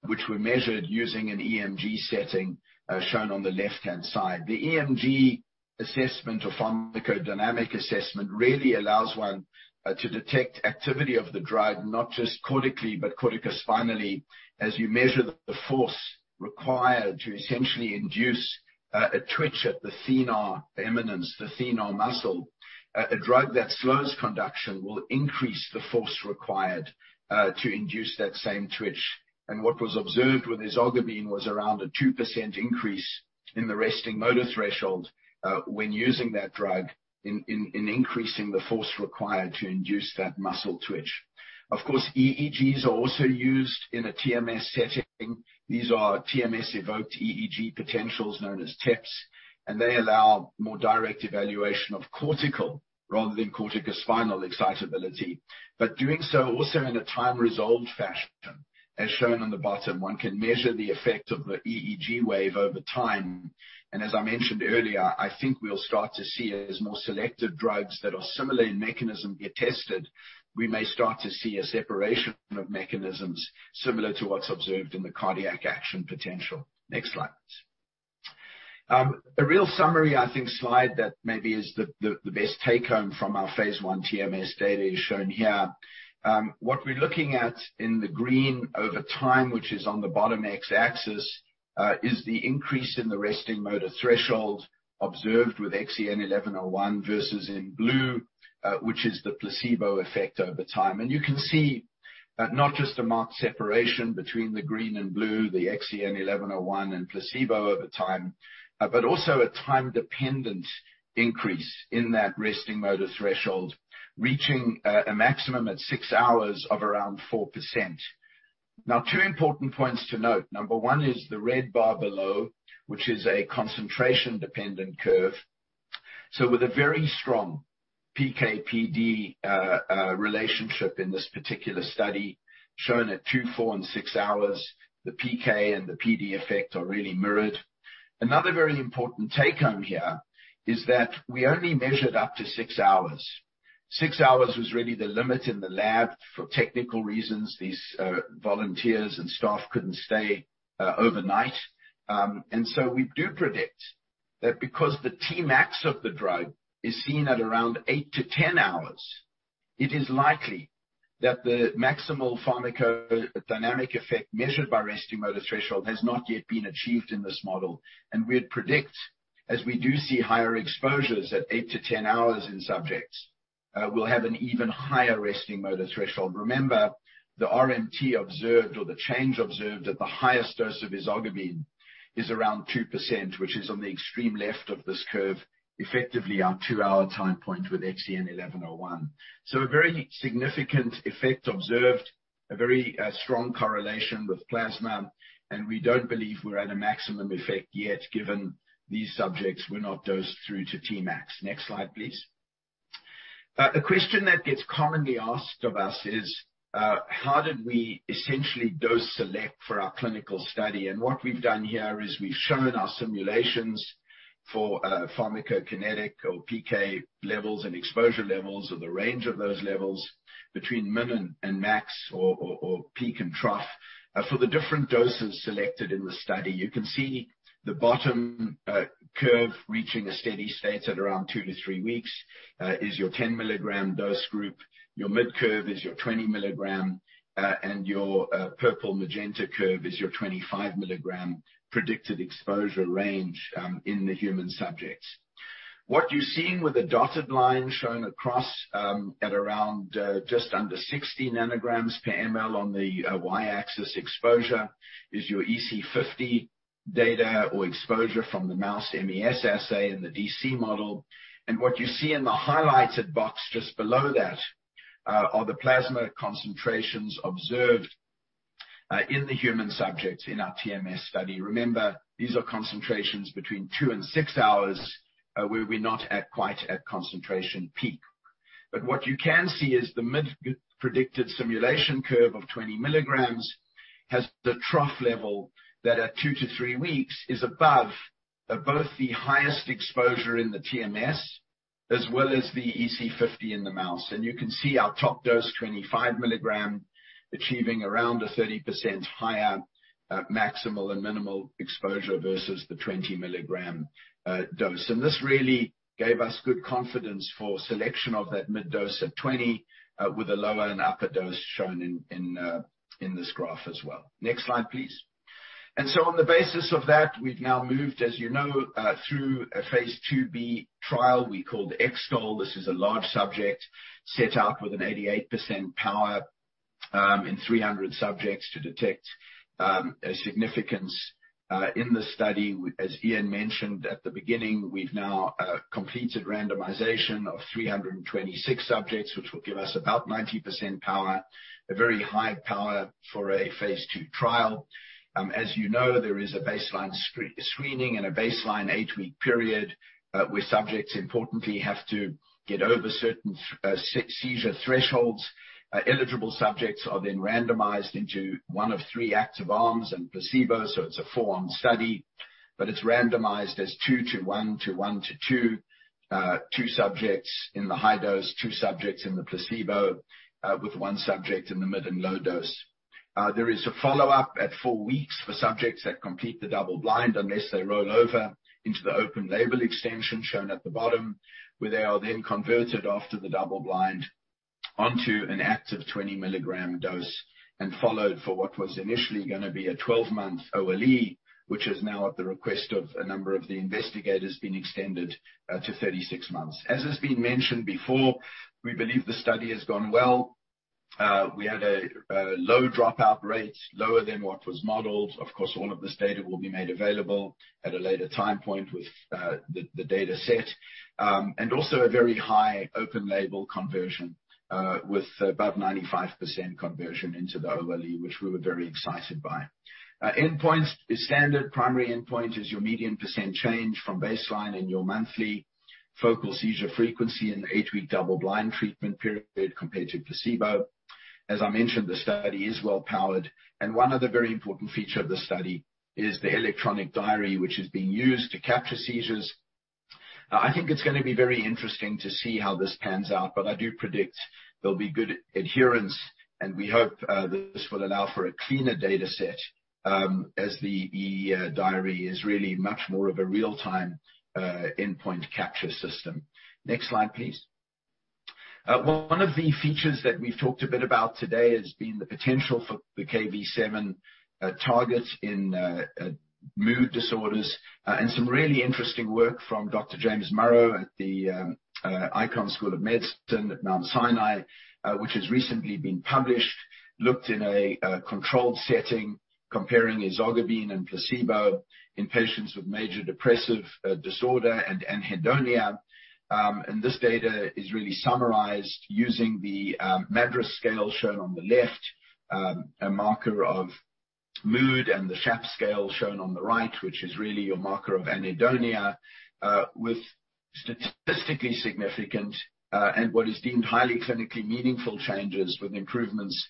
which were measured using an EMG setting, shown on the left-hand side. The EMG assessment or pharmacodynamic assessment really allows one to detect activity of the drug, not just cortically but corticospinally, as you measure the force required to essentially induce a twitch at the thenar eminence, the thenar muscle. A drug that slows conduction will increase the force required to induce that same twitch. What was observed with ezogabine was around a 2% increase in the resting motor threshold, when using that drug in increasing the force required to induce that muscle twitch. Of course, EEGs are also used in a TMS setting. These are TMS-evoked EEG potentials known as TEPs, and they allow more direct evaluation of cortical rather than corticospinal excitability. Doing so also in a time-resolved fashion, as shown on the bottom, one can measure the effect of the EEG wave over time. As I mentioned earlier, I think we'll start to see, as more selective drugs that are similar in mechanism get tested, we may start to see a separation of mechanisms similar to what's observed in the cardiac action potential. Next slide. A real summary, I think, slide that maybe is the best take-home from our phase I TMS data is shown here. What we're looking at in the green over time, which is on the bottom X-axis, is the increase in the resting motor threshold observed with XEN1101 versus in blue, which is the placebo effect over time. You can see not just a marked separation between the green and blue, the XEN1101 and placebo over time, but also a time-dependent increase in that resting motor threshold, reaching a maximum at six hours of around 4%. Two important points to note. Number one is the red bar below, which is a concentration-dependent curve. With a very strong PK/PD relationship in this particular study, shown at two, four and six hours, the PK and the PD effect are really mirrored. Another very important take-home here is that we only measured up to six hours. Six hours was really the limit in the lab for technical reasons. These volunteers and staff couldn't stay overnight. We do predict that because the Tmax of the drug is seen at around 8-10 hours, it is likely that the maximal pharmacodynamic effect measured by resting motor threshold has not yet been achieved in this model. We'd predict, as we do see higher exposures at 8-10 hours in subjects, we'll have an even higher resting motor threshold. Remember, the RMT observed or the change observed at the highest dose of ezogabine is around 2%, which is on the extreme left of this curve, effectively our two-hour time point with XEN1101. A very significant effect observed, a very strong correlation with plasma, we don't believe we're at a maximum effect yet, given these subjects were not dosed through to Tmax. Next slide, please. The question that gets commonly asked of us is, how did we essentially dose select for our clinical study? What we've done here is we've shown our simulations for pharmacokinetic or PK levels and exposure levels, or the range of those levels, between min and max or peak and trough for the different doses selected in the study. You can see the bottom curve reaching a steady state at around two to three weeks is your 10 mg dose group, your mid curve is your 20 mg, and your purple magenta curve is your 25 mg predicted exposure range in the human subjects. What you see with the dotted line shown across at around just under 60 ng/mL on the y-axis exposure is your EC50 data or exposure from the mouse MES and the 6Hz model. What you see in the highlighted box just below that are the plasma concentrations observed in the human subjects in our TMS study. Remember, these are concentrations between two and six hours where we're not at quite a concentration peak. What you can see is the mid-predicted simulation curve of 20 mg has the trough level that at two to three weeks is above both the highest exposure in the TMS as well as the EC50 in the mouse. You can see our top dose, 25 mg, achieving around a 30% higher maximal and minimal exposure versus the 20 mg dose. This really gave us good confidence for selection of that mid dose at 20 mg with a lower and upper dose shown in this graph as well. Next slide, please. On the basis of that, we've now moved, as you know, through a phase II-B trial we called X-TOLE. This is a large subject set up with an 88% power in 300 subjects to detect a significance in the study. As Ian mentioned at the beginning, we've now completed randomization of 326 subjects, which will give us about 90% power, a very high power for a phase II trial. As you know, there is a baseline screening and a baseline eight-week period where subjects importantly have to get over certain seizure thresholds. Eligible subjects are then randomized into one of three active arms and placebo, so it's a four-arm study. It's randomized as 2:1 to 1:2 subjects in the high dose, two subjects in the placebo, with one subject in the mid and low dose. There is a follow-up at four weeks for subjects that complete the double-blind, unless they roll over into the open label extension shown at the bottom, where they are then converted after the double-blind onto an active 20 mg dose and followed for what was initially going to be a 12-month OLE, which has now, at the request of a number of the investigators, been extended to 36 months. As has been mentioned before, we believe the study has gone well. We had a low dropout rate, lower than what was modeled. Of course, all of this data will be made available at a later time point with the data set. Also a very high open label conversion with about 95% conversion into the OLE, which we were very excited by. Endpoints. The standard primary endpoint is your median percent change from baseline and your monthly focal seizure frequency in the eight-week double-blind treatment period compared to placebo. As I mentioned, the study is well powered and one of the very important feature of the study is the electronic diary, which is being used to capture seizures. I think it's going to be very interesting to see how this pans out, but I do predict there'll be good adherence, and we hope this will allow for a cleaner data set, as the diary is really much more of a real-time endpoint capture system. Next slide, please. One of the features that we've talked a bit about today has been the potential for the Kv7 target in mood disorders. Some really interesting work from Dr. James Murrough at the Icahn School of Medicine at Mount Sinai, which has recently been published, looked in a controlled setting comparing ezogabine and placebo in patients with major depressive disorder and anhedonia. This data is really summarized using the MADRS scale shown on the left, a marker of mood, and the SHAPS scale shown on the right, which is really a marker of anhedonia, with statistically significant and what is deemed highly clinically meaningful changes with improvements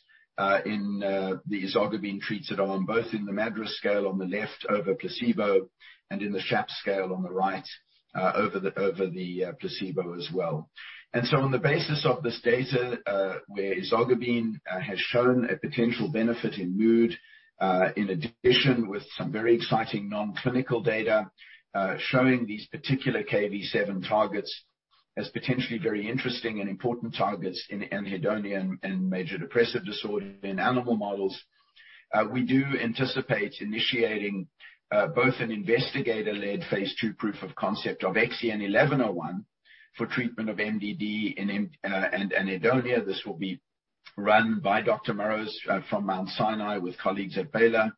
in the ezogabine-treated arm, both in the MADRS scale on the left over placebo and in the SHAPS scale on the right over the placebo as well. On the basis of this data, where ezogabine has shown a potential benefit in mood, in addition, with some very exciting non-clinical data showing these particular Kv7 targets as potentially very interesting and important targets in anhedonia and major depressive disorder in animal models, we do anticipate initiating both an investigator-led phase II proof of concept of XEN1101 for treatment of MDD and anhedonia. This will be run by Dr. Murrough from Mount Sinai with colleagues at Baylor.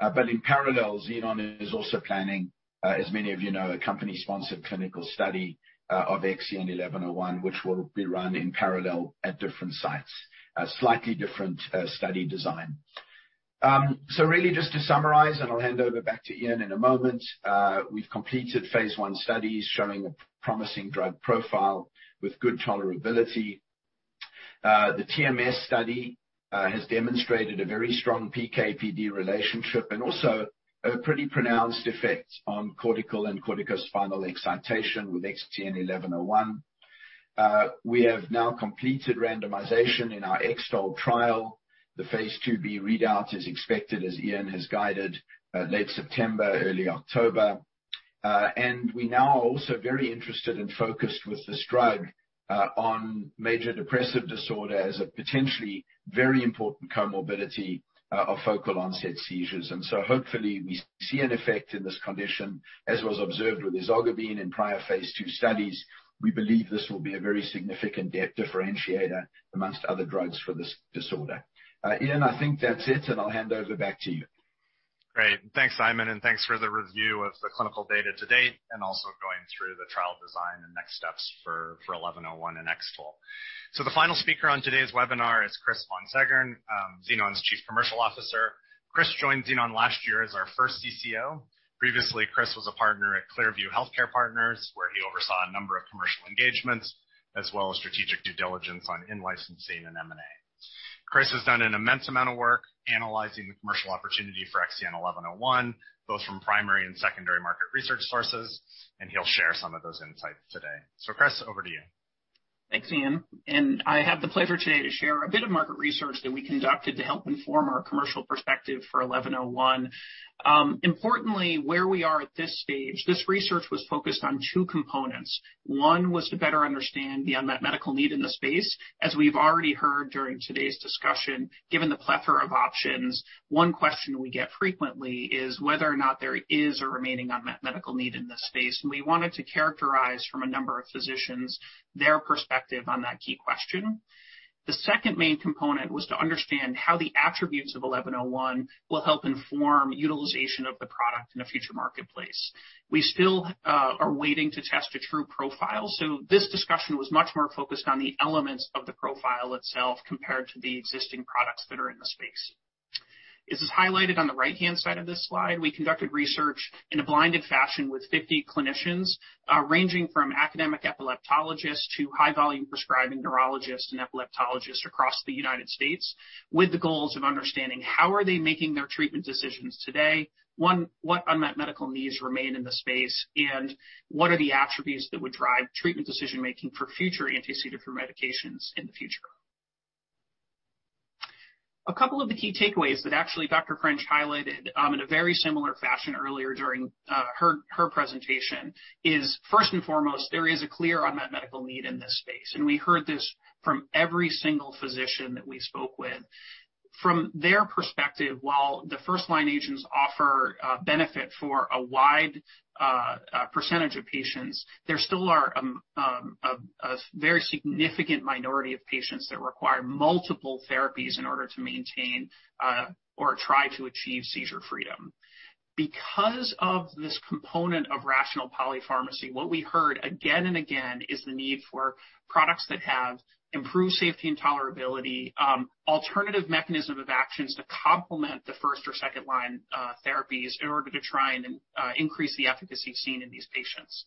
In parallel, Xenon is also planning, as many of you know, a company-sponsored clinical study of XEN1101, which will be run in parallel at different sites, a slightly different study design. Really just to summarize, and I'll hand over back to Ian in a moment, we've completed phase I studies showing a promising drug profile with good tolerability. The TMS study has demonstrated a very strong PK/PD relationship and also a pretty pronounced effect on cortical and corticospinal excitation with XEN1101. We have now completed randomization in our X-TOLE trial. The phase II-B readout is expected, as Ian has guided, late September, early October. We now are also very interested and focused with this drug on major depressive disorder as a potentially very important comorbidity of focal onset seizures. Hopefully we see an effect in this condition, as was observed with ezogabine in prior phase II studies. We believe this will be a very significant differentiator amongst other drugs for this disorder. Ian, I think that's it, and I'll hand over back to you. Great. Thanks, Simon, thanks for the review of the clinical data to date and also going through the trial design and next steps for XEN1101 and X-TOLE. The final speaker on today's webinar is Chris Von Seggern, Xenon's Chief Commercial Officer. Chris joined Xenon last year as our first CCO. Previously, Chris was a partner at ClearView Healthcare Partners, where he oversaw a number of commercial engagements as well as strategic due diligence on in-licensing and M&A. Chris has done an immense amount of work analyzing the commercial opportunity for XEN1101, both from primary and secondary market research sources, and he'll share some of those insights today. Chris, over to you. Thanks, Ian. I have the pleasure today to share a bit of market research that we conducted to help inform our commercial perspective for XEN1101. Importantly, where we are at this stage, this research was focused on two components. One was to better understand the unmet medical need in the space. As we've already heard during today's discussion, given the plethora of options, one question we get frequently is whether or not there is a remaining unmet medical need in this space. We wanted to characterize from a number of physicians their perspective on that key question. The second main component was to understand how the attributes of XEN1101 will help inform utilization of the product in a future marketplace. We still are waiting to test a true profile, so this discussion was much more focused on the elements of the profile itself compared to the existing products that are in the space. As is highlighted on the right-hand side of this slide, we conducted research in a blinded fashion with 50 clinicians, ranging from academic epileptologists to high-volume prescribing neurologists and epileptologists across the United States, with the goals of understanding how are they making their treatment decisions today, what unmet medical needs remain in the space, and what are the attributes that would drive treatment decision-making for future anti-seizure medications in the future? A couple of the key takeaways that actually Dr. French highlighted in a very similar fashion earlier during her presentation is, first and foremost, there is a clear unmet medical need in this space. We heard this from every single physician that we spoke with. From their perspective, while the first-line agents offer a benefit for a wide percentage of patients, there still are a very significant minority of patients that require multiple therapies in order to maintain or try to achieve seizure freedom. Because of this component of rational polypharmacy, what we heard again and again is the need for products that have improved safety and tolerability, alternative mechanism of actions to complement the first or second-line therapies in order to try and increase the efficacy seen in these patients.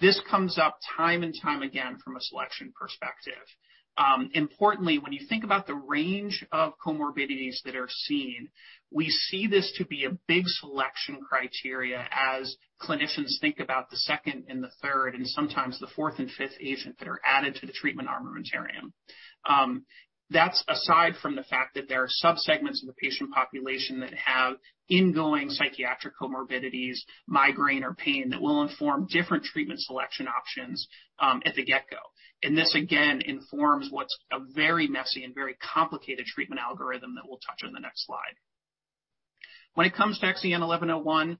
This comes up time and time again from a selection perspective. Importantly, when you think about the range of comorbidities that are seen, we see this to be a big selection criteria as clinicians think about the second and the third, and sometimes the fourth and fifth agent that are added to the treatment armamentarium. That's aside from the fact that there are subsegments of the patient population that have ingoing psychiatric comorbidities, migraine, or pain that will inform different treatment selection options at the get-go. This, again, informs what's a very messy and very complicated treatment algorithm that we'll touch on the next slide. When it comes to XEN1101,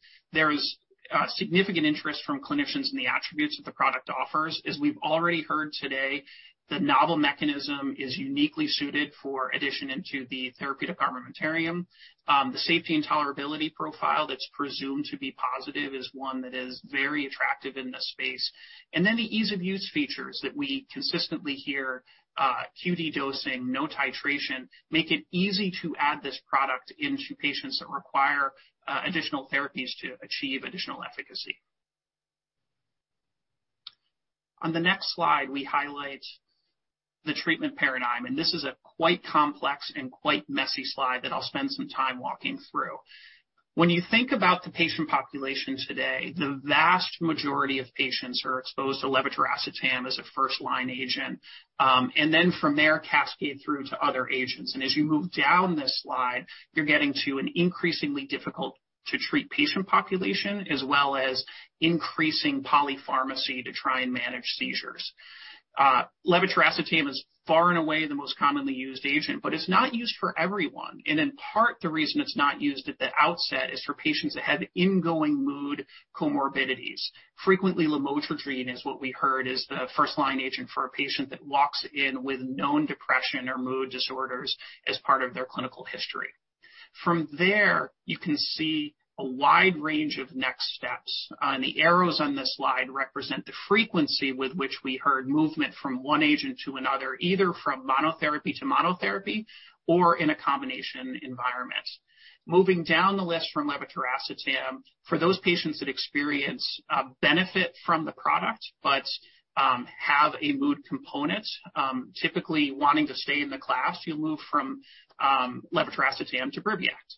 significant interest from clinicians in the attributes that the product offers. As we've already heard today, the novel mechanism is uniquely suited for addition into the therapy armamentarium. The safety and tolerability profile that's presumed to be positive is one that is very attractive in this space. The ease-of-use features that we consistently hear, QD dosing, no titration, make it easy to add this product into patients that require additional therapies to achieve additional efficacy. On the next slide, we highlight the treatment paradigm. This is a quite complex and quite messy slide that I'll spend some time walking through. When you think about the patient population today, the vast majority of patients are exposed to levetiracetam as a first-line agent. From there, cascade through to other agents. As you move down this slide, you're getting to an increasingly difficult-to-treat patient population, as well as increasing polypharmacy to try and manage seizures. levetiracetam is far and away the most commonly used agent. It's not used for everyone. In part, the reason it's not used at the outset is for patients that have ingoing mood comorbidities. Frequently, lamotrigine is what we heard is the first-line agent for a patient that walks in with known depression or mood disorders as part of their clinical history. From there, you can see a wide range of next steps. The arrows on this slide represent the frequency with which we heard movement from one agent to another, either from monotherapy to monotherapy or in a combination environment. Moving down the list from levetiracetam, for those patients that experience a benefit from the product but have a mood component, typically wanting to stay in the class, you move from levetiracetam to BRIVIACT.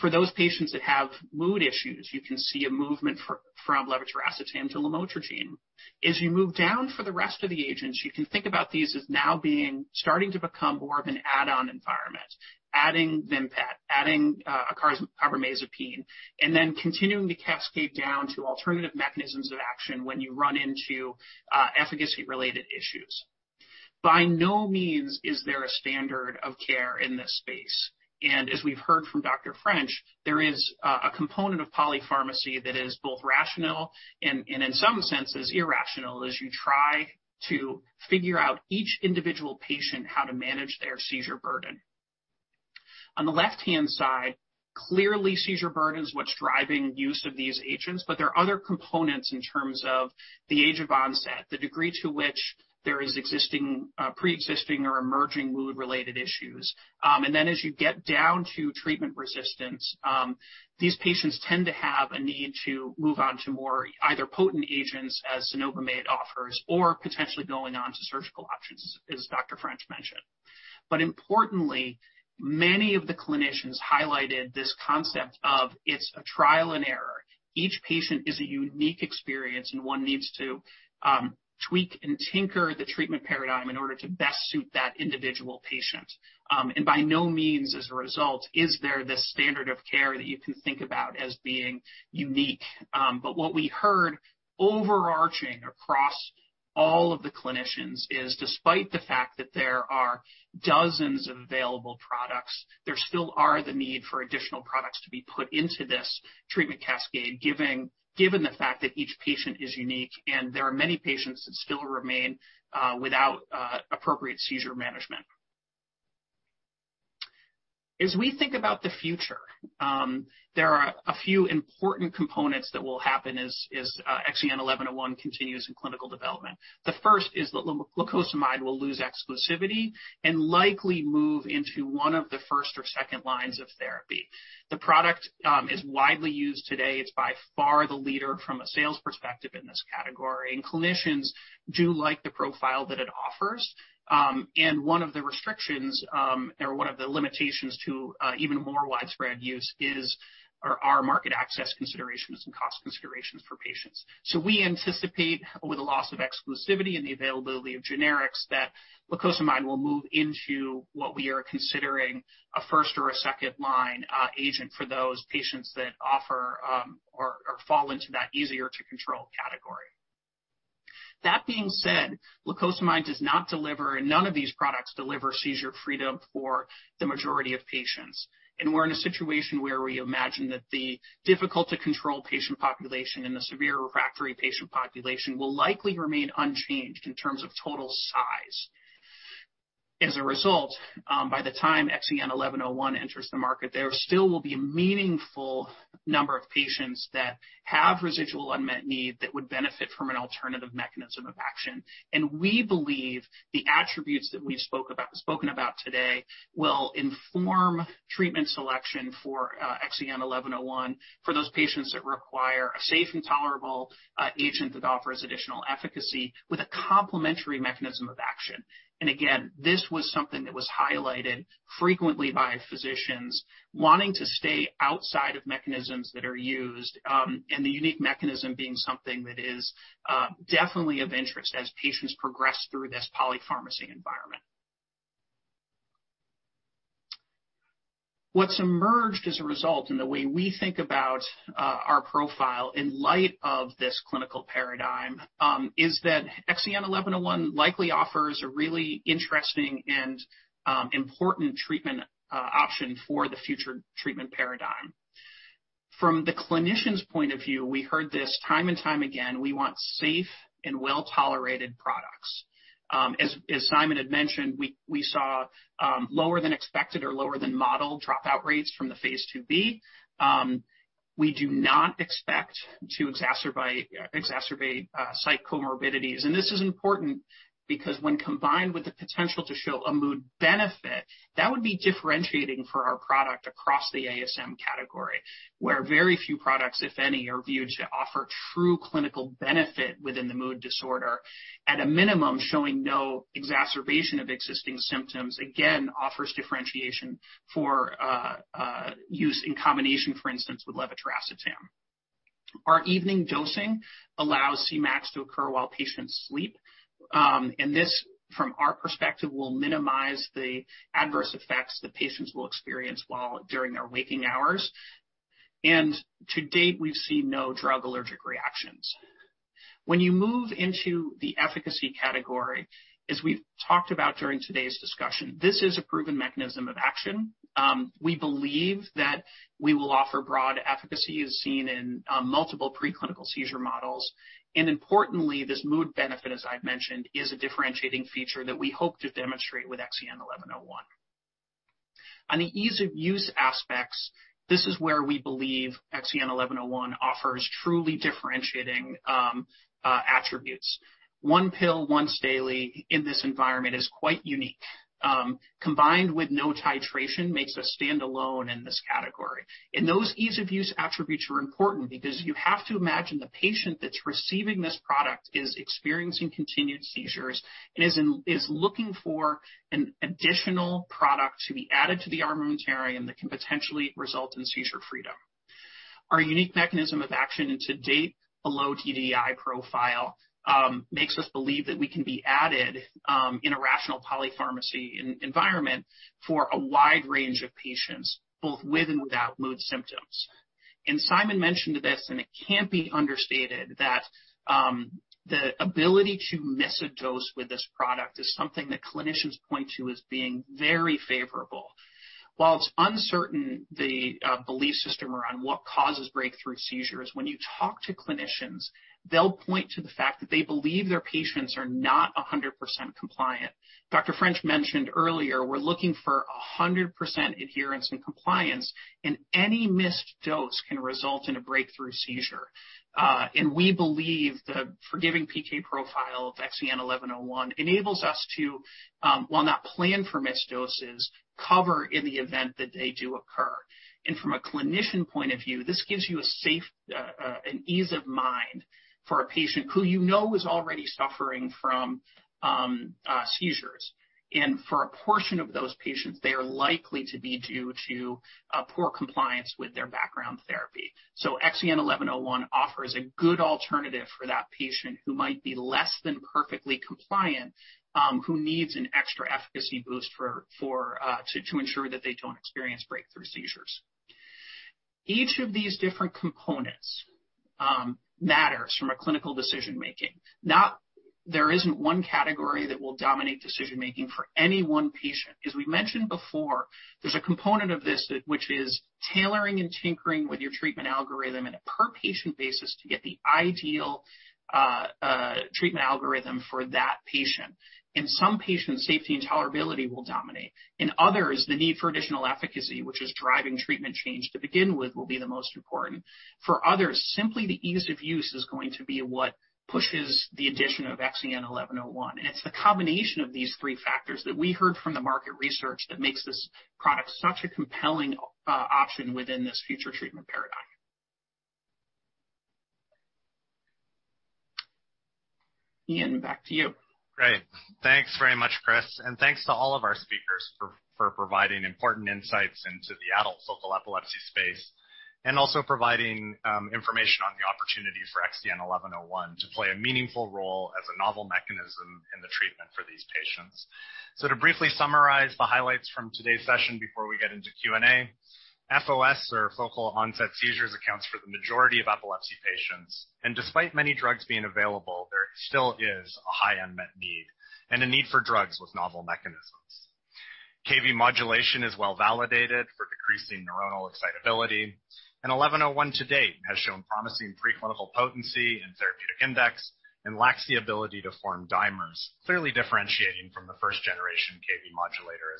For those patients that have mood issues, you can see a movement from levetiracetam to lamotrigine. As you move down for the rest of the agents, you can think about these as now being, starting to become more of an add-on environment, adding VIMPAT, adding carbamazepine, then continuing to cascade down to alternative mechanisms of action when you run into efficacy-related issues. By no means is there a standard of care in this space. As we've heard from Dr. French, there is a component of polypharmacy that is both rational and in some senses irrational, as you try to figure out each individual patient how to manage their seizure burden. On the left-hand side, clearly seizure burden is what's driving use of these agents. There are other components in terms of the age of onset, the degree to which there is preexisting or emerging mood-related issues. As you get down to treatment resistance, these patients tend to have a need to move on to more either potent agents, as cenobamate offers, or potentially going on to surgical options, as Dr. French mentioned. Importantly, many of the clinicians highlighted this concept of it's a trial and error. Each patient is a unique experience, one needs to tweak and tinker the treatment paradigm in order to best suit that individual patient. By no means, as a result, is there this standard of care that you can think about as being unique. What we heard overarching across all of the clinicians is despite the fact that there are dozens of available products, there still are the need for additional products to be put into this treatment cascade, given the fact that each patient is unique and there are many patients that still remain without appropriate seizure management. As we think about the future, there are a few important components that will happen as XEN1101 continues in clinical development. The first is that lacosamide will lose exclusivity and likely move into one of the first or second lines of therapy. The product is widely used today. It's by far the leader from a sales perspective in this category, and clinicians do like the profile that it offers. One of the restrictions, or one of the limitations to even more widespread use are market access considerations and cost considerations for patients. We anticipate with the loss of exclusivity and the availability of generics, that lacosamide will move into what we are considering a first or a second-line agent for those patients that offer or fall into that easier-to-control category. That being said, lacosamide does not deliver, and none of these products deliver seizure freedom for the majority of patients. We're in a situation where we imagine that the difficult-to-control patient population and the severe refractory patient population will likely remain unchanged in terms of total size. As a result, by the time XEN1101 enters the market, there still will be a meaningful number of patients that have residual unmet need that would benefit from an alternative mechanism of action. We believe the attributes that we've spoken about today will inform treatment selection for XEN1101 for those patients that require a safe and tolerable agent that offers additional efficacy with a complementary mechanism of action. Again, this was something that was highlighted frequently by physicians wanting to stay outside of mechanisms that are used, and the unique mechanism being something that is definitely of interest as patients progress through this polypharmacy environment. What's emerged as a result in the way we think about our profile in light of this clinical paradigm, is that XEN1101 likely offers a really interesting and important treatment option for the future treatment paradigm. From the clinician's point of view, we heard this time and time again, we want safe and well-tolerated products. As Simon had mentioned, we saw lower than expected or lower than model drop-out rates from the phase II-B. We do not expect to exacerbate psych comorbidities. This is important because when combined with the potential to show a mood benefit, that would be differentiating for our product across the ASM category, where very few products, if any, are viewed to offer true clinical benefit within a mood disorder. At a minimum, showing no exacerbation of existing symptoms, again, offers differentiation for use in combination, for instance, with levetiracetam. Our evening dosing allows Cmax to occur while patients sleep. This, from our perspective, will minimize the adverse effects that patients will experience during their waking hours. To date, we've seen no drug allergic reactions. When you move into the efficacy category, as we've talked about during today's discussion, this is a proven mechanism of action. We believe that we will offer broad efficacy as seen in multiple preclinical seizure models. Importantly, this mood benefit, as I've mentioned, is a differentiating feature that we hope to demonstrate with XEN1101. On the ease of use aspects, this is where we believe XEN1101 offers truly differentiating attributes. One pill once daily in this environment is quite unique. Combined with no titration makes us stand alone in this category. Those ease of use attributes are important because you have to imagine the patient that's receiving this product is experiencing continued seizures and is looking for an additional product to be added to the armamentarium that can potentially result in seizure freedom. Our unique mechanism of action and to date below DDI profile, makes us believe that we can be added in a rational polypharmacy environment for a wide range of patients, both with and without mood symptoms. Simon mentioned this, it can't be understated that the ability to miss a dose with this product is something that clinicians point to as being very favorable. While it's uncertain the belief system around what causes breakthrough seizures, when you talk to clinicians, they'll point to the fact that they believe their patients are not 100% compliant. Dr. French mentioned earlier, we're looking for 100% adherence and compliance, and any missed dose can result in a breakthrough seizure. We believe the forgiving PK profile of XEN1101 enables us to, while not plan for missed doses, cover in the event that they do occur. From a clinician point of view, this gives you an ease of mind for a patient who you know is already suffering from seizures. For a portion of those patients, they are likely to be due to poor compliance with their background therapy. XEN1101 offers a good alternative for that patient who might be less than perfectly compliant, who needs an extra efficacy boost to ensure that they don't experience breakthrough seizures. Each of these different components matters from a clinical decision-making. There isn't one category that will dominate decision-making for any one patient. As we mentioned before, there's a component of this which is tailoring and tinkering with your treatment algorithm on a per-patient basis to get the ideal treatment algorithm for that patient. In some patients, safety and tolerability will dominate. In others, the need for additional efficacy, which is driving treatment change to begin with, will be the most important. For others, simply the ease of use is going to be what pushes the addition of XEN1101. It's the combination of these three factors that we heard from the market research that makes this product such a compelling option within this future treatment paradigm. Ian, back to you. Great. Thanks very much, Chris, and thanks to all of our speakers for providing important insights into the adult focal epilepsy space and also providing information on the opportunity for XEN1101 to play a meaningful role as a novel mechanism in the treatment for these patients. To briefly summarize the highlights from today's session before we get into Q&A, FOS, or focal onset seizures, accounts for the majority of epilepsy patients. Despite many drugs being available, there still is a high unmet need and a need for drugs with novel mechanisms. Kv7 modulation is well-validated for decreasing neuronal excitability, and XEN1101 to date has shown promising preclinical potency in therapeutic index and lacks the ability to form dimers, clearly differentiating from the first-generation Kv7 modulator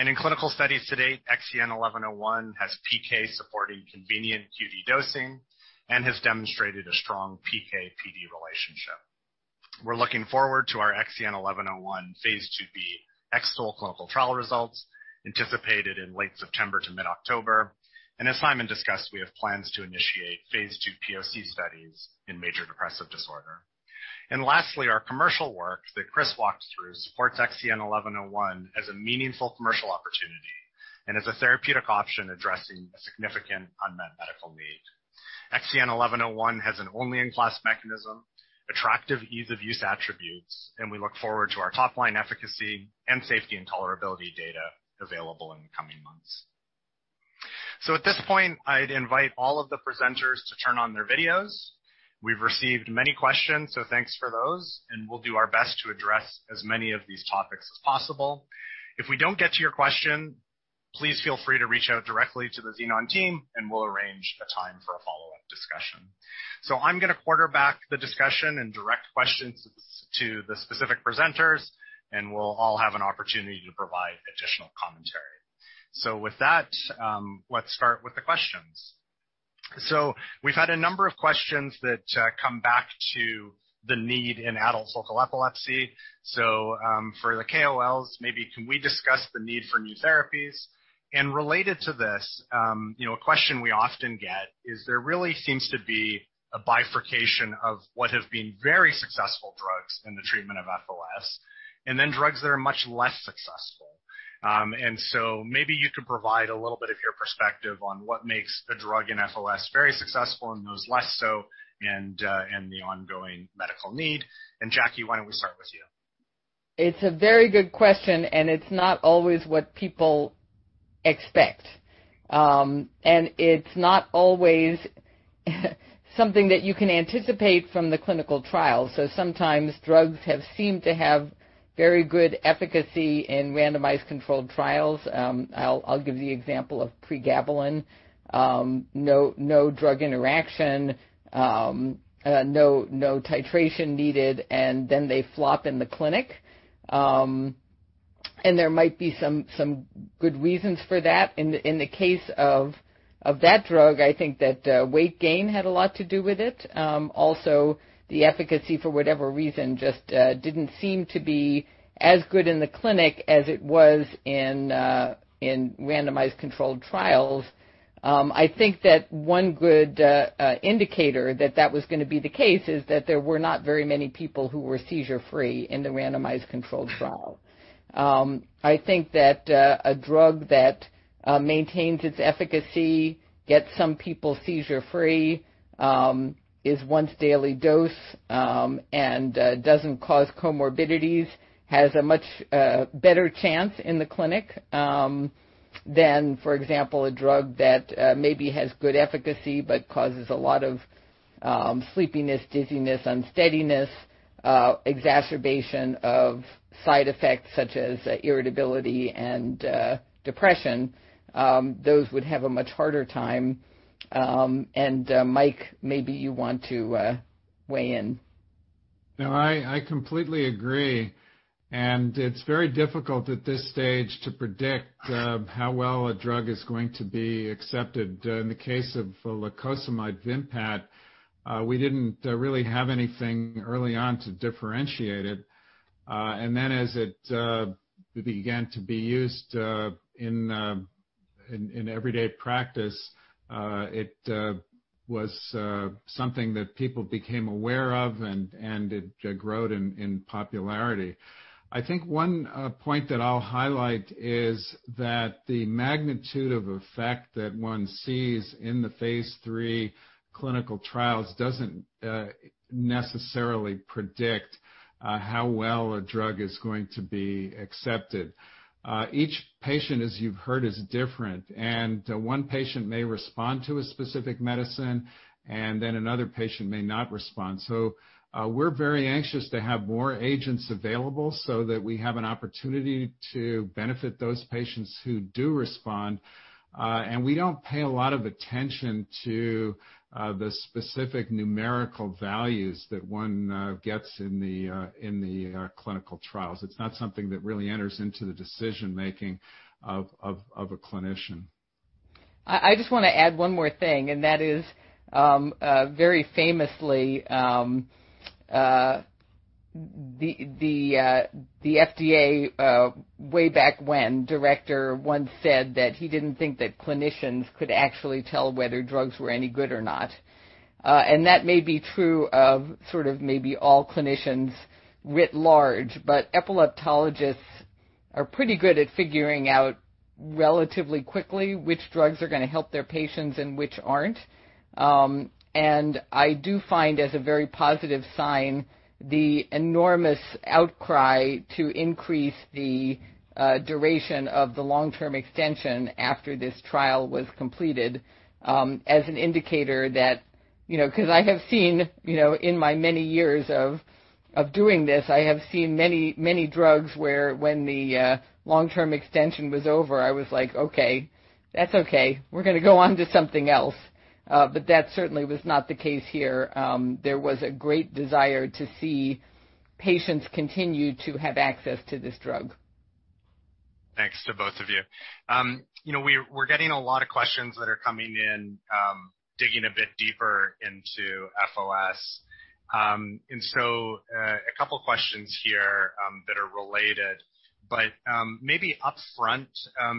ezogabine. In clinical studies to date, XEN1101 has PK supporting convenient QD dosing and has demonstrated a strong PK/PD relationship. We're looking forward to our XEN1101 phase II-B X-TOLE clinical trial results anticipated in late September to mid-October. As Simon discussed, we have plans to initiate phase II POC studies in major depressive disorder. Lastly, our commercial work that Chris walked through supports XEN1101 as a meaningful commercial opportunity and as a therapeutic option addressing a significant unmet medical need. XEN1101 has an only-in-class mechanism, attractive ease of use attributes, and we look forward to our top-line efficacy and safety and tolerability data available in the coming months. At this point, I'd invite all of the presenters to turn on their videos. We've received many questions, so thanks for those, and we'll do our best to address as many of these topics as possible. If we don't get to your question, please feel free to reach out directly to the Xenon team, and we'll arrange a time for a follow-up discussion. I'm going to quarterback the discussion and direct questions to the specific presenters, and we'll all have an opportunity to provide additional commentary. With that, let's start with the questions. We've had a number of questions that come back to the need in adult focal epilepsy. For the KOLs, maybe can we discuss the need for new therapies? Related to this, a question we often get is there really seems to be a bifurcation of what have been very successful drugs in the treatment of FOS, and then drugs that are much less successful. Maybe you can provide a little bit of your perspective on what makes the drug in FOS very successful and those less so and the ongoing medical need. Jackie, why don't we start with you? It's a very good question, and it's not always what people expect. It's not always something that you can anticipate from the clinical trial. Sometimes drugs have seemed to have very good efficacy in randomized controlled trials. I'll give the example of pregabalin. No drug interaction, no titration needed, and then they flop in the clinic. There might be some good reasons for that. In the case of that drug, I think that weight gain had a lot to do with it. Also, the efficacy, for whatever reason, just didn't seem to be as good in the clinic as it was in randomized controlled trials. I think that one good indicator that that was going to be the case is that there were not very many people who were seizure-free in the randomized controlled trial. I think that a drug that maintains its efficacy, gets some people seizure-free, is once daily dose, and doesn't cause comorbidities has a much better chance in the clinic than, for example, a drug that maybe has good efficacy but causes a lot of sleepiness, dizziness, unsteadiness, exacerbation of side effects such as irritability and depression. Those would have a much harder time. Mike, maybe you want to weigh in. No, I completely agree. It's very difficult at this stage to predict how well a drug is going to be accepted. In the case of lacosamide VIMPAT, we didn't really have anything early on to differentiate it. As it began to be used in everyday practice, it was something that people became aware of, and it grew in popularity. I think one point that I'll highlight is that the magnitude of effect that one sees in the phase III clinical trials doesn't necessarily predict how well a drug is going to be accepted. Each patient, as you've heard, is different. One patient may respond to a specific medicine, and then another patient may not respond. We're very anxious to have more agents available so that we have an opportunity to benefit those patients who do respond. We don't pay a lot of attention to the specific numerical values that one gets in the clinical trials. It's not something that really enters into the decision-making of a clinician. I just want to add one more thing, and that is, very famously, the FDA, way back when, director once said that he didn't think that clinicians could actually tell whether drugs were any good or not. That may be true of sort of maybe all clinicians writ large, but epileptologists are pretty good at figuring out relatively quickly which drugs are going to help their patients and which aren't. I do find as a very positive sign the enormous outcry to increase the duration of the long-term extension after this trial was completed as an indicator. Because I have seen in my many years of doing this, I have seen many drugs where when the long-term extension was over, I was like, "Okay, that's okay. We're going to go on to something else." That certainly was not the case here. There was a great desire to see patients continue to have access to this drug. Thanks to both of you. We're getting a lot of questions that are coming in, digging a bit deeper into FOS. A couple of questions here that are related. Maybe upfront,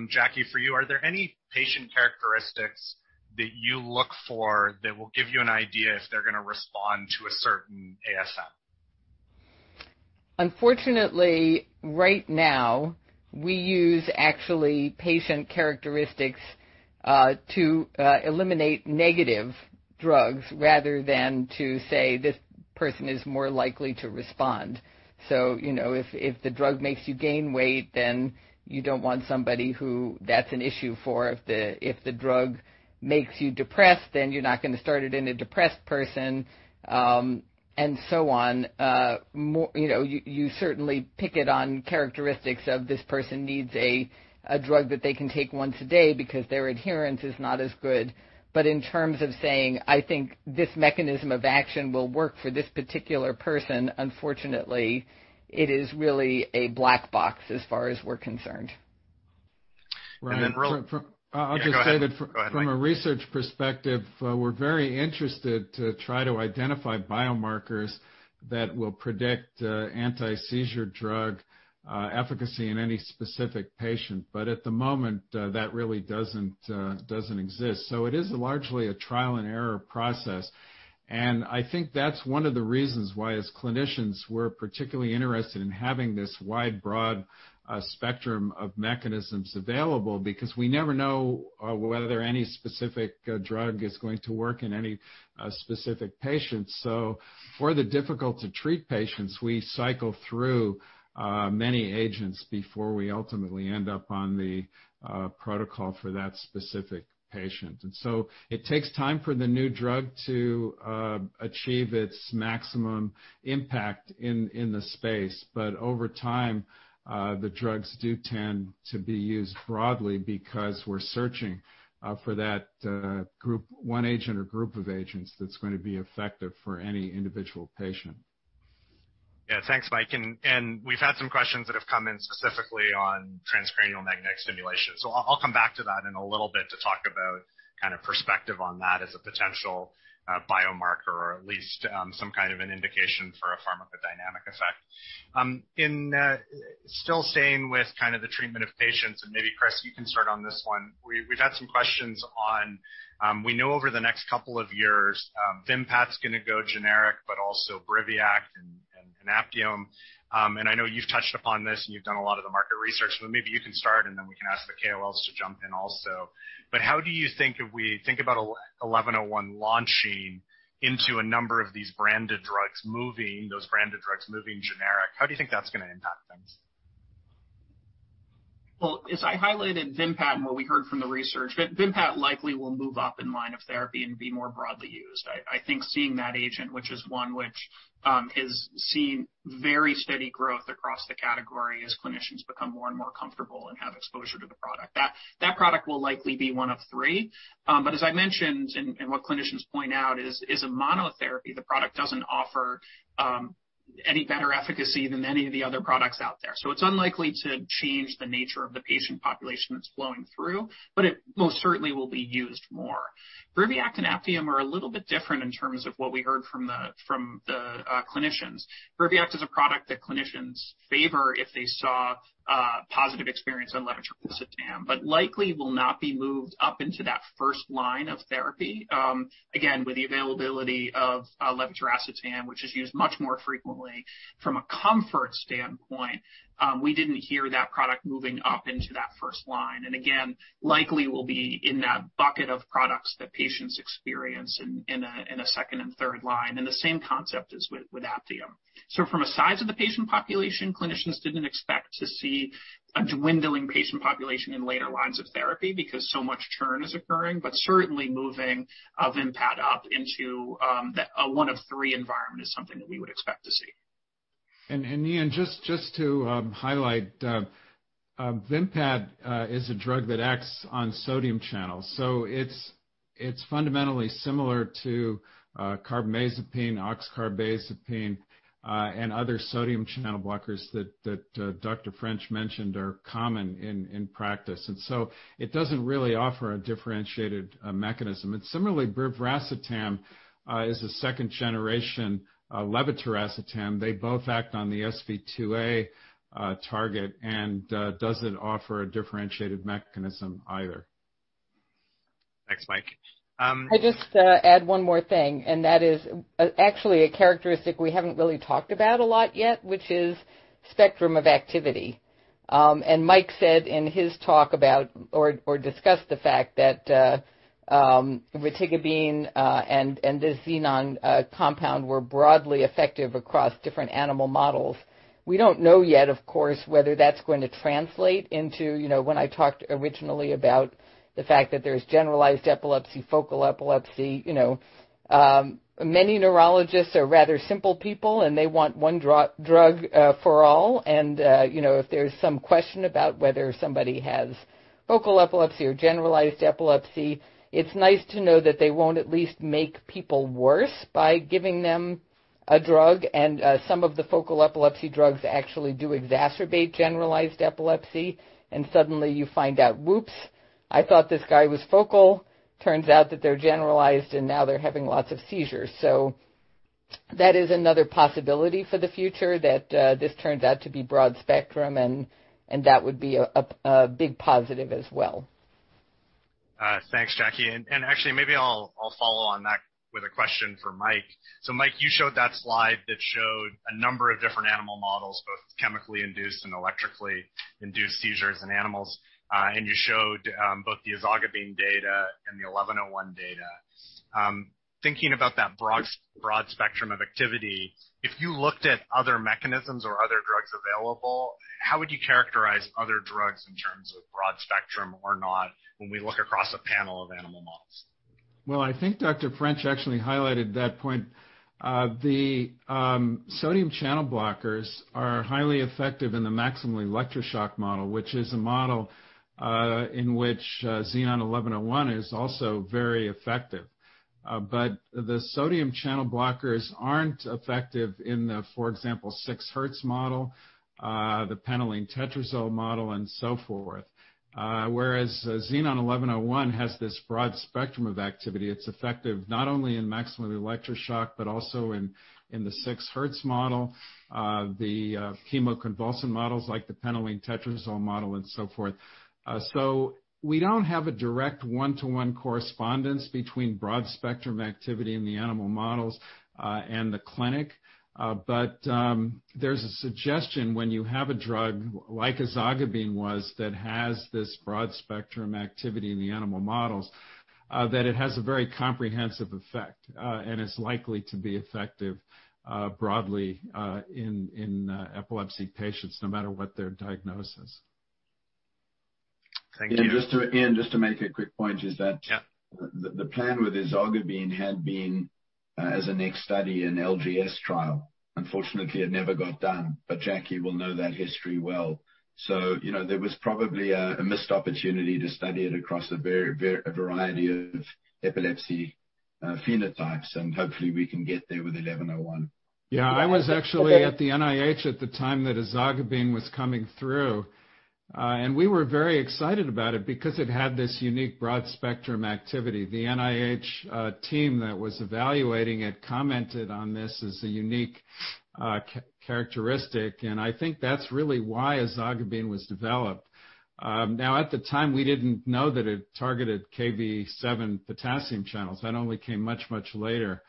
Jackie, for you, are there any patient characteristics that you look for that will give you an idea if they're going to respond to a certain ASM? Unfortunately, right now, we use actually patient characteristics to eliminate negative drugs rather than to say this person is more likely to respond. If the drug makes you gain weight, then you don't want somebody who that's an issue for. If the drug makes you depressed, then you're not going to start it in a depressed person. So on. You certainly pick it on characteristics of this person needs a drug that they can take once a day because their adherence is not as good. In terms of saying, "I think this mechanism of action will work for this particular person," unfortunately, it is really a black box as far as we're concerned. Right. I'll just say that from a research perspective, we're very interested to try to identify biomarkers that will predict antiseizure drug efficacy in any specific patient. At the moment, that really doesn't exist. It is largely a trial-and-error process, and I think that's one of the reasons why, as clinicians, we're particularly interested in having this wide, broad spectrum of mechanisms available because we never know whether any specific drug is going to work in any specific patient. For the difficult-to-treat patients, we cycle through many agents before we ultimately end up on the protocol for that specific patient. It takes time for the new drug to achieve its maximum impact in the space. Over time, the drugs do tend to be used broadly because we're searching for that one agent or group of agents that's going to be effective for any individual patient. Thanks, Mike. We've had some questions that have come in specifically on transcranial magnetic stimulation. I'll come back to that in a little bit to talk about kind of perspective on that as a potential biomarker or at least some kind of an indication for a pharmacodynamic effect. Still staying with the treatment of patients, maybe Chris, you can start on this one. We've had some questions on, we know over the next couple of years, VIMPAT's going to go generic, but also BRIVIACT and APTIOM. I know you've touched upon this, you've done a lot of the market research, maybe you can start, we can ask the KOLs to jump in also. How do you think, if we think about XEN1101 launching into a number of these branded drugs, those branded drugs moving generic, how do you think that's going to impact things? Well, as I highlighted VIMPAT and what we heard from the research, VIMPAT likely will move up in line of therapy and be more broadly used. I think seeing that agent, which is one which has seen very steady growth across the category as clinicians become more and more comfortable and have exposure to the product. That product will likely be one of three. As I mentioned, and what clinicians point out is, as a monotherapy, the product doesn't offer any better efficacy than any of the other products out there. It's unlikely to change the nature of the patient population it's flowing through, but it most certainly will be used more. BRIVIACT and APTIOM are a little bit different in terms of what we heard from the clinicians. BRIVIACT is a product that clinicians favor if they saw a positive experience on levetiracetam, but likely will not be moved up into that first line of therapy. Again, with the availability of levetiracetam, which is used much more frequently from a comfort standpoint, we didn't hear that product moving up into that first line, and again, likely will be in that bucket of products that patients experience in a second and third line, and the same concept as with APTIOM. From a size of the patient population, clinicians didn't expect to see a dwindling patient population in later lines of therapy because so much churn is occurring, but certainly moving VIMPAT up into a one of three environment is something that we would expect to see. Ian, just to highlight, VIMPAT is a drug that acts on sodium channels. It's fundamentally similar to carbamazepine, oxcarbazepine, and other sodium channel blockers that Dr. French mentioned are common in practice. It doesn't really offer a differentiated mechanism. Similarly, brivaracetam is a second-generation levetiracetam. They both act on the SV2A target and doesn't offer a differentiated mechanism either. Thanks, Mike. I'll just add one more thing, that is actually a characteristic we haven't really talked about a lot yet, which is spectrum of activity. Mike said in his talk about or discussed the fact that retigabine and the Xenon compound were broadly effective across different animal models. We don't know yet, of course, whether that's going to translate into, when I talked originally about the fact that there's generalized epilepsy, focal epilepsy. Many neurologists are rather simple people, they want one drug for all. If there's some question about whether somebody has focal epilepsy or generalized epilepsy, it's nice to know that they won't at least make people worse by giving them a drug. Some of the focal epilepsy drugs actually do exacerbate generalized epilepsy. Suddenly you find out, whoops, I thought this guy was focal. Turns out that they're generalized, and now they're having lots of seizures. That is another possibility for the future, that this turns out to be broad-spectrum, and that would be a big positive as well. Thanks, Jacqueline. Actually, maybe I'll follow on that with a question for Mike. Mike, you showed that slide that showed a number of different animal models, both chemically induced and electrically induced seizures in animals. You showed both the ezogabine data and the XEN1101 data. Thinking about that broad spectrum of activity, if you looked at other mechanisms or other drugs available, how would you characterize other drugs in terms of broad spectrum or not when we look across a panel of- I think Dr. French actually highlighted that point. The sodium channel blockers are highly effective in the maximal electroshock model, which is a model in which XEN1101 is also very effective. The sodium channel blockers aren't effective in the, for example, 6 Hz model, the pentylenetetrazol model, and so forth. XEN1101 has this broad spectrum of activity. It's effective not only in maximal electroshock but also in the 6 Hz model, the chemoconvulsant models like the pentylenetetrazol model, and so forth. We don't have a direct one-to-one correspondence between broad-spectrum activity in the animal models and the clinic. There's a suggestion when you have a drug like ezogabine was, that has this broad-spectrum activity in the animal models, that it has a very comprehensive effect and is likely to be effective broadly in epilepsy patients, no matter what their diagnosis. Thank you. Yeah, just to make a quick point. Yeah The plan with ezogabine had been as a next study, an LGS trial. Unfortunately, it never got done. Jackie will know that history well. There was probably a missed opportunity to study it across a variety of epilepsy phenotypes. Hopefully, we can get there with XEN1101. Yeah. I was actually at the NIH at the time that ezogabine was coming through. We were very excited about it because it had this unique broad-spectrum activity. The NIH team that was evaluating it commented on this as a unique characteristic, and I think that's really why ezogabine was developed. Now, at the time, we didn't know that it targeted Kv7 potassium channels. That only came much, much later.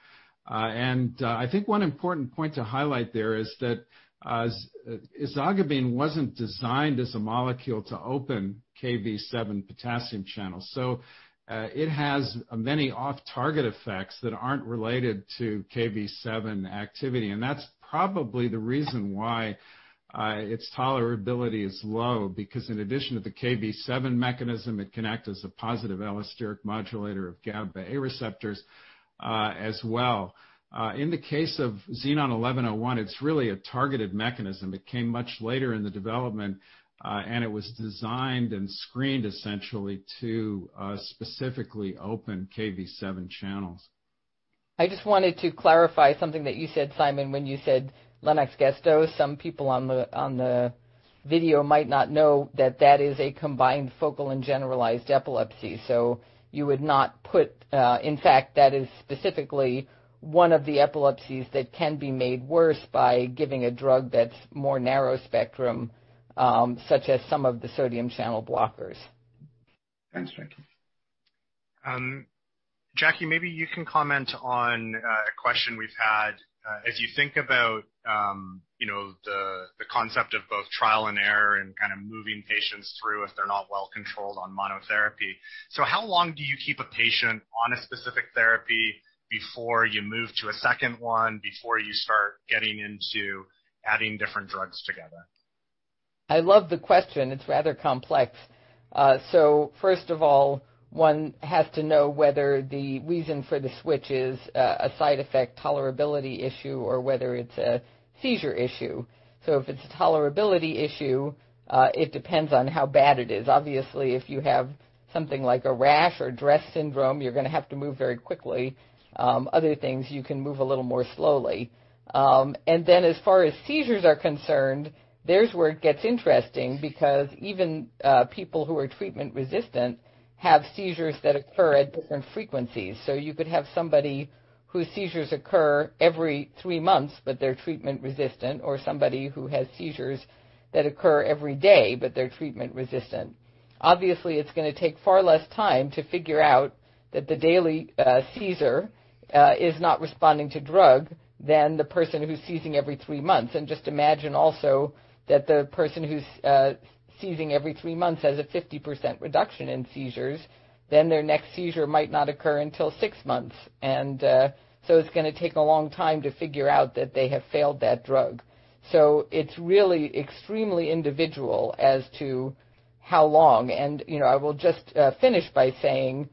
I think one important point to highlight there is that ezogabine wasn't designed as a molecule to open Kv7 potassium channels. It has many off-target effects that aren't related to Kv7 activity. That's probably the reason why its tolerability is low because in addition to the Kv7 mechanism, it can act as a positive allosteric modulator of GABA-A receptors as well. In the case of XEN1101, it's really a targeted mechanism. It came much later in the development, and it was designed and screened essentially to specifically open Kv7 channels. I just wanted to clarify something that you said, Simon, when you said Lennox-Gastaut. Some people on the video might not know that that is a combined focal and generalized epilepsy. In fact, that is specifically one of the epilepsies that can be made worse by giving a drug that's more narrow spectrum, such as some of the sodium channel blockers. Thanks, Jackie. Jacqueline, maybe you can comment on a question we've had. As you think about the concept of both trial and error and kind of moving patients through if they're not well controlled on monotherapy. How long do you keep a patient on a specific therapy before you move to a second one? Before you start getting into adding different drugs together? I love the question. It's rather complex. First of all, one has to know whether the reason for the switch is a side effect tolerability issue or whether it's a seizure issue. If it's a tolerability issue, it depends on how bad it is. Obviously, if you have something like a rash or DRESS syndrome, you're going to have to move very quickly. Other things, you can move a little more slowly. As far as seizures are concerned, there's where it gets interesting because even people who are treatment-resistant have seizures that occur at different frequencies. You could have somebody whose seizures occur every three months, but they're treatment-resistant, or somebody who has seizures that occur every day, but they're treatment-resistant. Obviously, it's going to take far less time to figure out that the daily seizure is not responding to drug than the person who's seizing every three months. Just imagine also that the person who's seizing every three months has a 50% reduction in seizures. Their next seizure might not occur until six months. It's going to take a long time to figure out that they have failed that drug. It's really extremely individual as to how long. I will just finish by saying that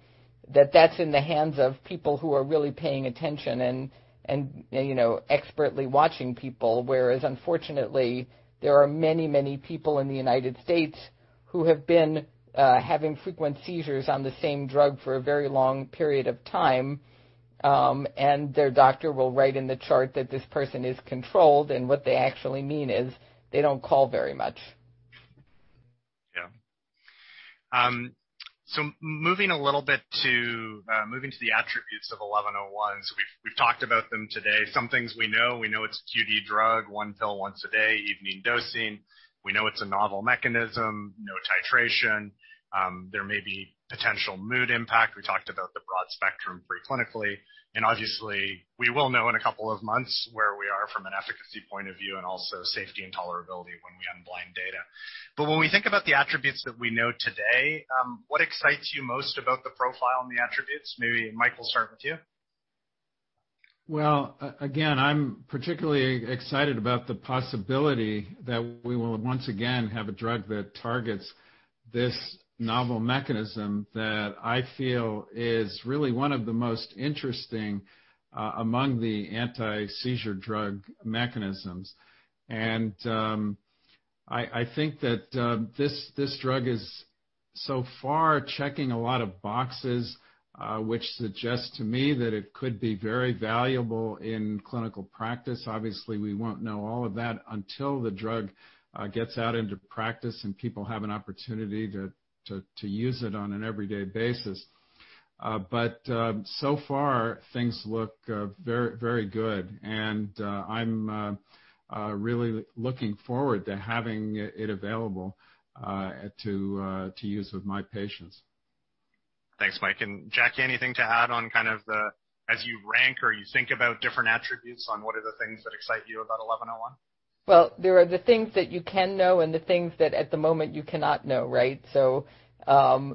that's in the hands of people who are really paying attention and expertly watching people. Whereas unfortunately, there are many, many people in the U.S. who have been having frequent seizures on the same drug for a very long period of time, and their doctor will write in the chart that this person is controlled. What they actually mean is they don't call very much. Moving a little bit to the attributes of XEN1101's. We've talked about them today. Some things we know. We know it's a QD drug, one pill once a day, evening dosing. We know it's a novel mechanism, no titration. There may be potential mood impact. We talked about the broad spectrum preclinically. Obviously, we will know in two months where we are from an efficacy point of view and also safety and tolerability when we have blind data. When we think about the attributes that we know today, what excites you most about the profile and the attributes? Maybe, Michael, starting with you. Well, again, I'm particularly excited about the possibility that we will once again have a drug that targets this novel mechanism that I feel is really one of the most interesting among the antiseizure drug mechanisms. I think that this drug is so far checking a lot of boxes, which suggests to me that it could be very valuable in clinical practice. Obviously, we won't know all of that until the drug gets out into practice, and people have an opportunity to use it on an everyday basis. So far, things look very good, and I'm really looking forward to having it available to use with my patients. Thanks, Mike. Jackie, anything to add on kind of the, as you rank or you think about different attributes on what are the things that excite you about XEN1101? Well, there are the things that you can know and the things that at the moment you cannot know, right? I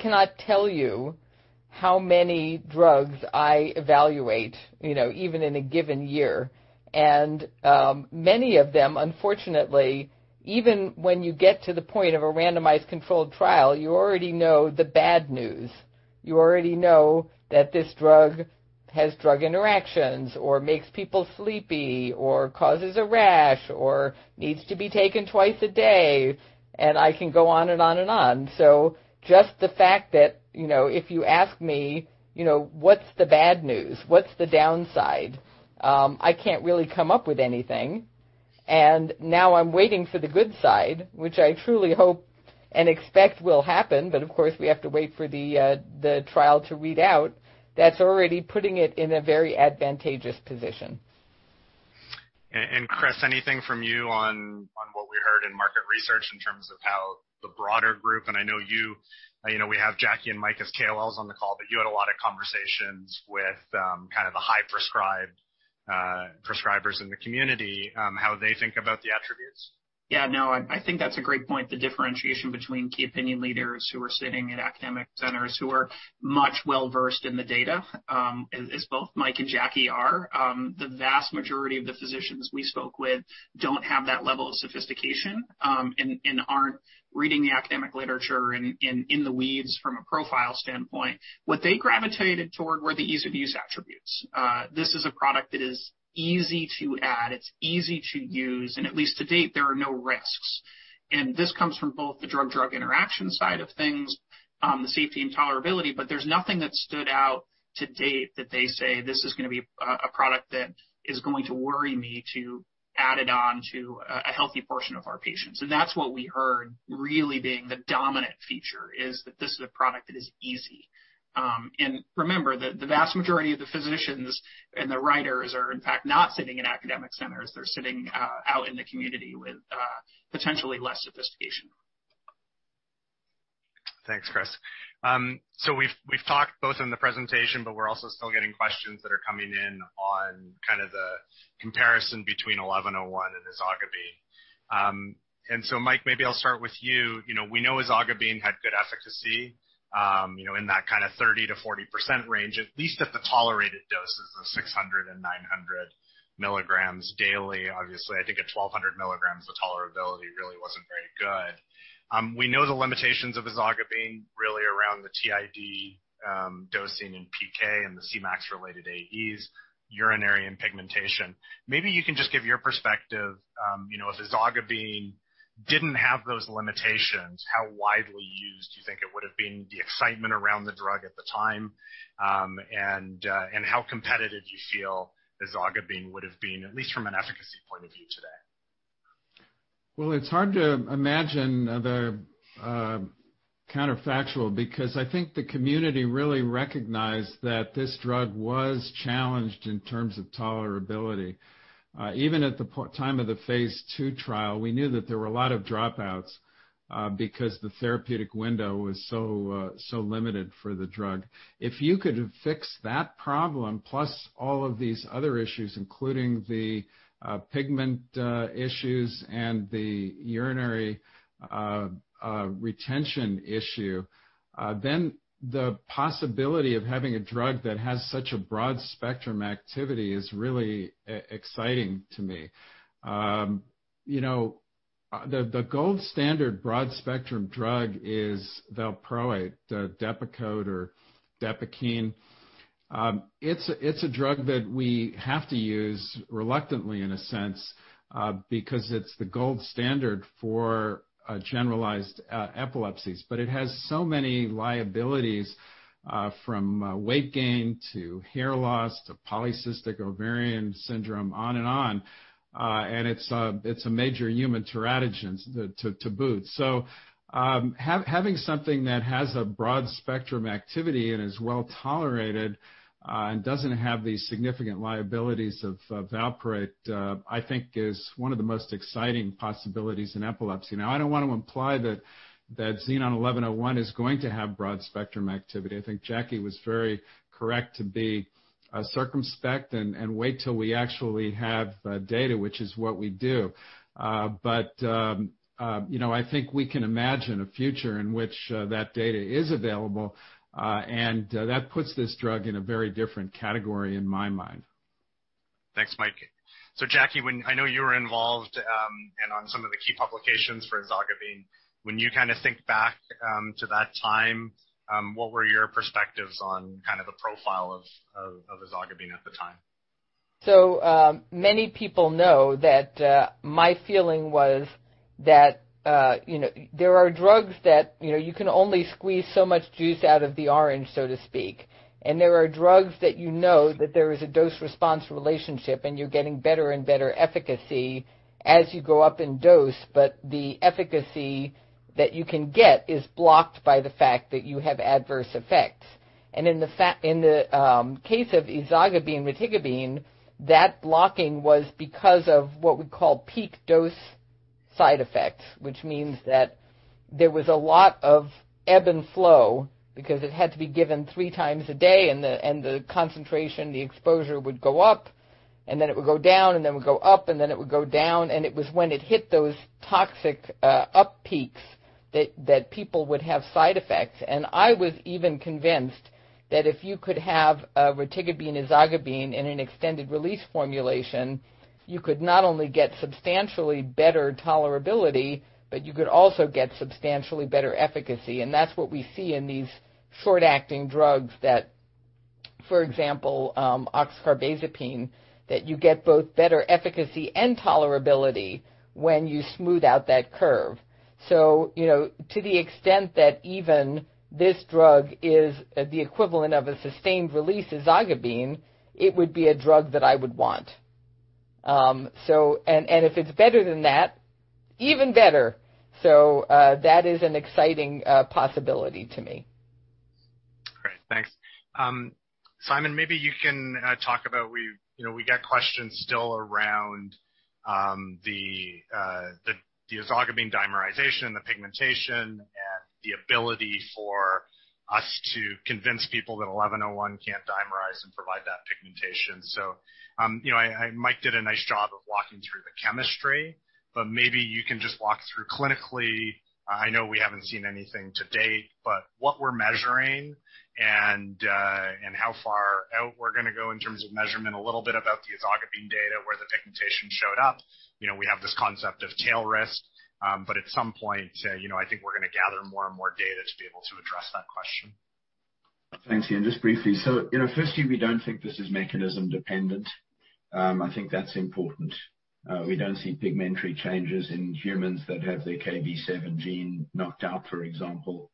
cannot tell you how many drugs I evaluate, even in a given year. Many of them, unfortunately, even when you get to the point of a randomized controlled trial, you already know the bad news. You already know that this drug has drug interactions or makes people sleepy, or causes a rash, or needs to be taken twice a day, and I can go on and on and on. Just the fact that, if you ask me, "What's the bad news? What's the downside?" I can't really come up with anything. Now I'm waiting for the good side, which I truly hope and expect will happen, but of course, we have to wait for the trial to read out. That's already putting it in a very advantageous position. Chris, anything from you on what we heard in market research in terms of how the broader group, We have Jackie and Mike as KOLs on the call, but you had a lot of conversations with kind of the high prescribers in the community, how they think about the attributes. Yeah, no, I think that's a great point. The differentiation between key opinion leaders who are sitting in academic centers who are much well-versed in the data, as both Mike and Jackie are. The vast majority of the physicians we spoke with don't have that level of sophistication, and aren't reading the academic literature and in the weeds from a profile standpoint. What they gravitated toward were the ease-of-use attributes. This is a product that is easy to add, it's easy to use, and at least to date, there are no risks. This comes from both the drug-drug interaction side of things, the safety and tolerability, but there's nothing that stood out to date that they say, "This is going to be a product that is going to worry me to add it on to a healthy portion of our patients." That's what we heard really being the dominant feature, is that this is a product that is easy. Remember that the vast majority of the physicians and the writers are in fact not sitting in academic centers. They're sitting out in the community with potentially less sophistication. Thanks, Chris. We've talked both in the presentation, but we're also still getting questions that are coming in on kind of the comparison between XEN1101 and ezogabine. Mike, maybe I'll start with you. We know ezogabine had good efficacy, in that kind of 30%-40% range, at least at the tolerated doses of 600 mg and 900 mg daily. Obviously, I think at 1,200 mg, the tolerability really wasn't very good. We know the limitations of ezogabine really around the TID dosing and PK and the Cmax-related AEs, urinary and pigmentation. Maybe you can just give your perspective. If ezogabine didn't have those limitations, how widely used do you think it would have been, the excitement around the drug at the time, and how competitive do you feel ezogabine would have been, at least from an efficacy point of view today? It's hard to imagine the counterfactual because I think the community really recognized that this drug was challenged in terms of tolerability. Even at the time of the phase II trial, we knew that there were a lot of dropouts because the therapeutic window was so limited for the drug. If you could fix that problem, plus all of these other issues, including the pigment issues and the urinary retention issue, then the possibility of having a drug that has such a broad-spectrum activity is really exciting to me. The gold standard broad-spectrum drug is valproate, Depakote or Depakene. It's a drug that we have to use reluctantly in a sense, because it's the gold standard for generalized epilepsies. It has so many liabilities, from weight gain to hair loss to polycystic ovarian syndrome, on and on. It's a major human teratogen to boot. Having something that has a broad-spectrum activity and is well-tolerated, and doesn't have the significant liabilities of valproate, I think is one of the most exciting possibilities in epilepsy. Now, I don't want to imply that XEN1101 is going to have broad-spectrum activity. I think Jackie was very correct to be circumspect and wait till we actually have data, which is what we do. I think we can imagine a future in which that data is available, and that puts this drug in a very different category in my mind. Thanks, Mike. Jackie, I know you were involved and on some of the key publications for ezogabine. When you think back to that time, what were your perspectives on the profile of ezogabine at the time? Many people know that my feeling was that there are drugs that you can only squeeze so much juice out of the orange, so to speak. There are drugs that you know that there is a dose-response relationship, and you're getting better and better efficacy as you go up in dose. The efficacy that you can get is blocked by the fact that you have adverse effects. In the case of ezogabine and retigabine, that blocking was because of what we call peak dose side effects, which means that there was a lot of ebb and flow because it had to be given three times a day, and the concentration, the exposure would go up, and then it would go down, and then would go up, and then it would go down. It was when it hit those toxic up peaks that people would have side effects. I was even convinced that if you could have retigabine and ezogabine in an extended release formulation, you could not only get substantially better tolerability, but you could also get substantially better efficacy. That's what we see in these short-acting drugs that, for example, oxcarbazepine, that you get both better efficacy and tolerability when you smooth out that curve. To the extent that even this drug is the equivalent of a sustained release ezogabine, it would be a drug that I would want. If it's better than that, even better. That is an exciting possibility to me. Great. Thanks. Simon, maybe you can talk about, we get questions still around the ezogabine dimerization, the pigmentation, and the ability for us to convince people that XEN1101 can't dimerize and provide that pigmentation. Mike did a nice job of walking through the chemistry, but maybe you can just walk through clinically, I know we haven't seen anything to date, but what we're measuring and how far out we're going to go in terms of measurement. A little bit about the ezogabine data where the pigmentation showed up. We have this concept of tail risk, but at some point, I think we're going to gather more and more data to be able to address that question. Thanks. Just briefly. Firstly, we don't think this is mechanism-dependent. I think that's important. We don't see pigmentary changes in humans that have their Kv7 knocked out, for example.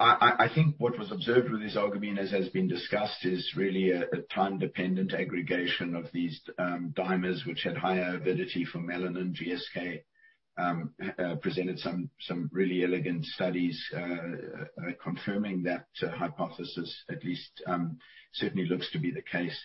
I think what was observed with ezogabine, as has been discussed, is really a time-dependent aggregation of these dimers, which had higher avidity for melanin. GSK presented some really elegant studies confirming that hypothesis, at least certainly looks to be the case.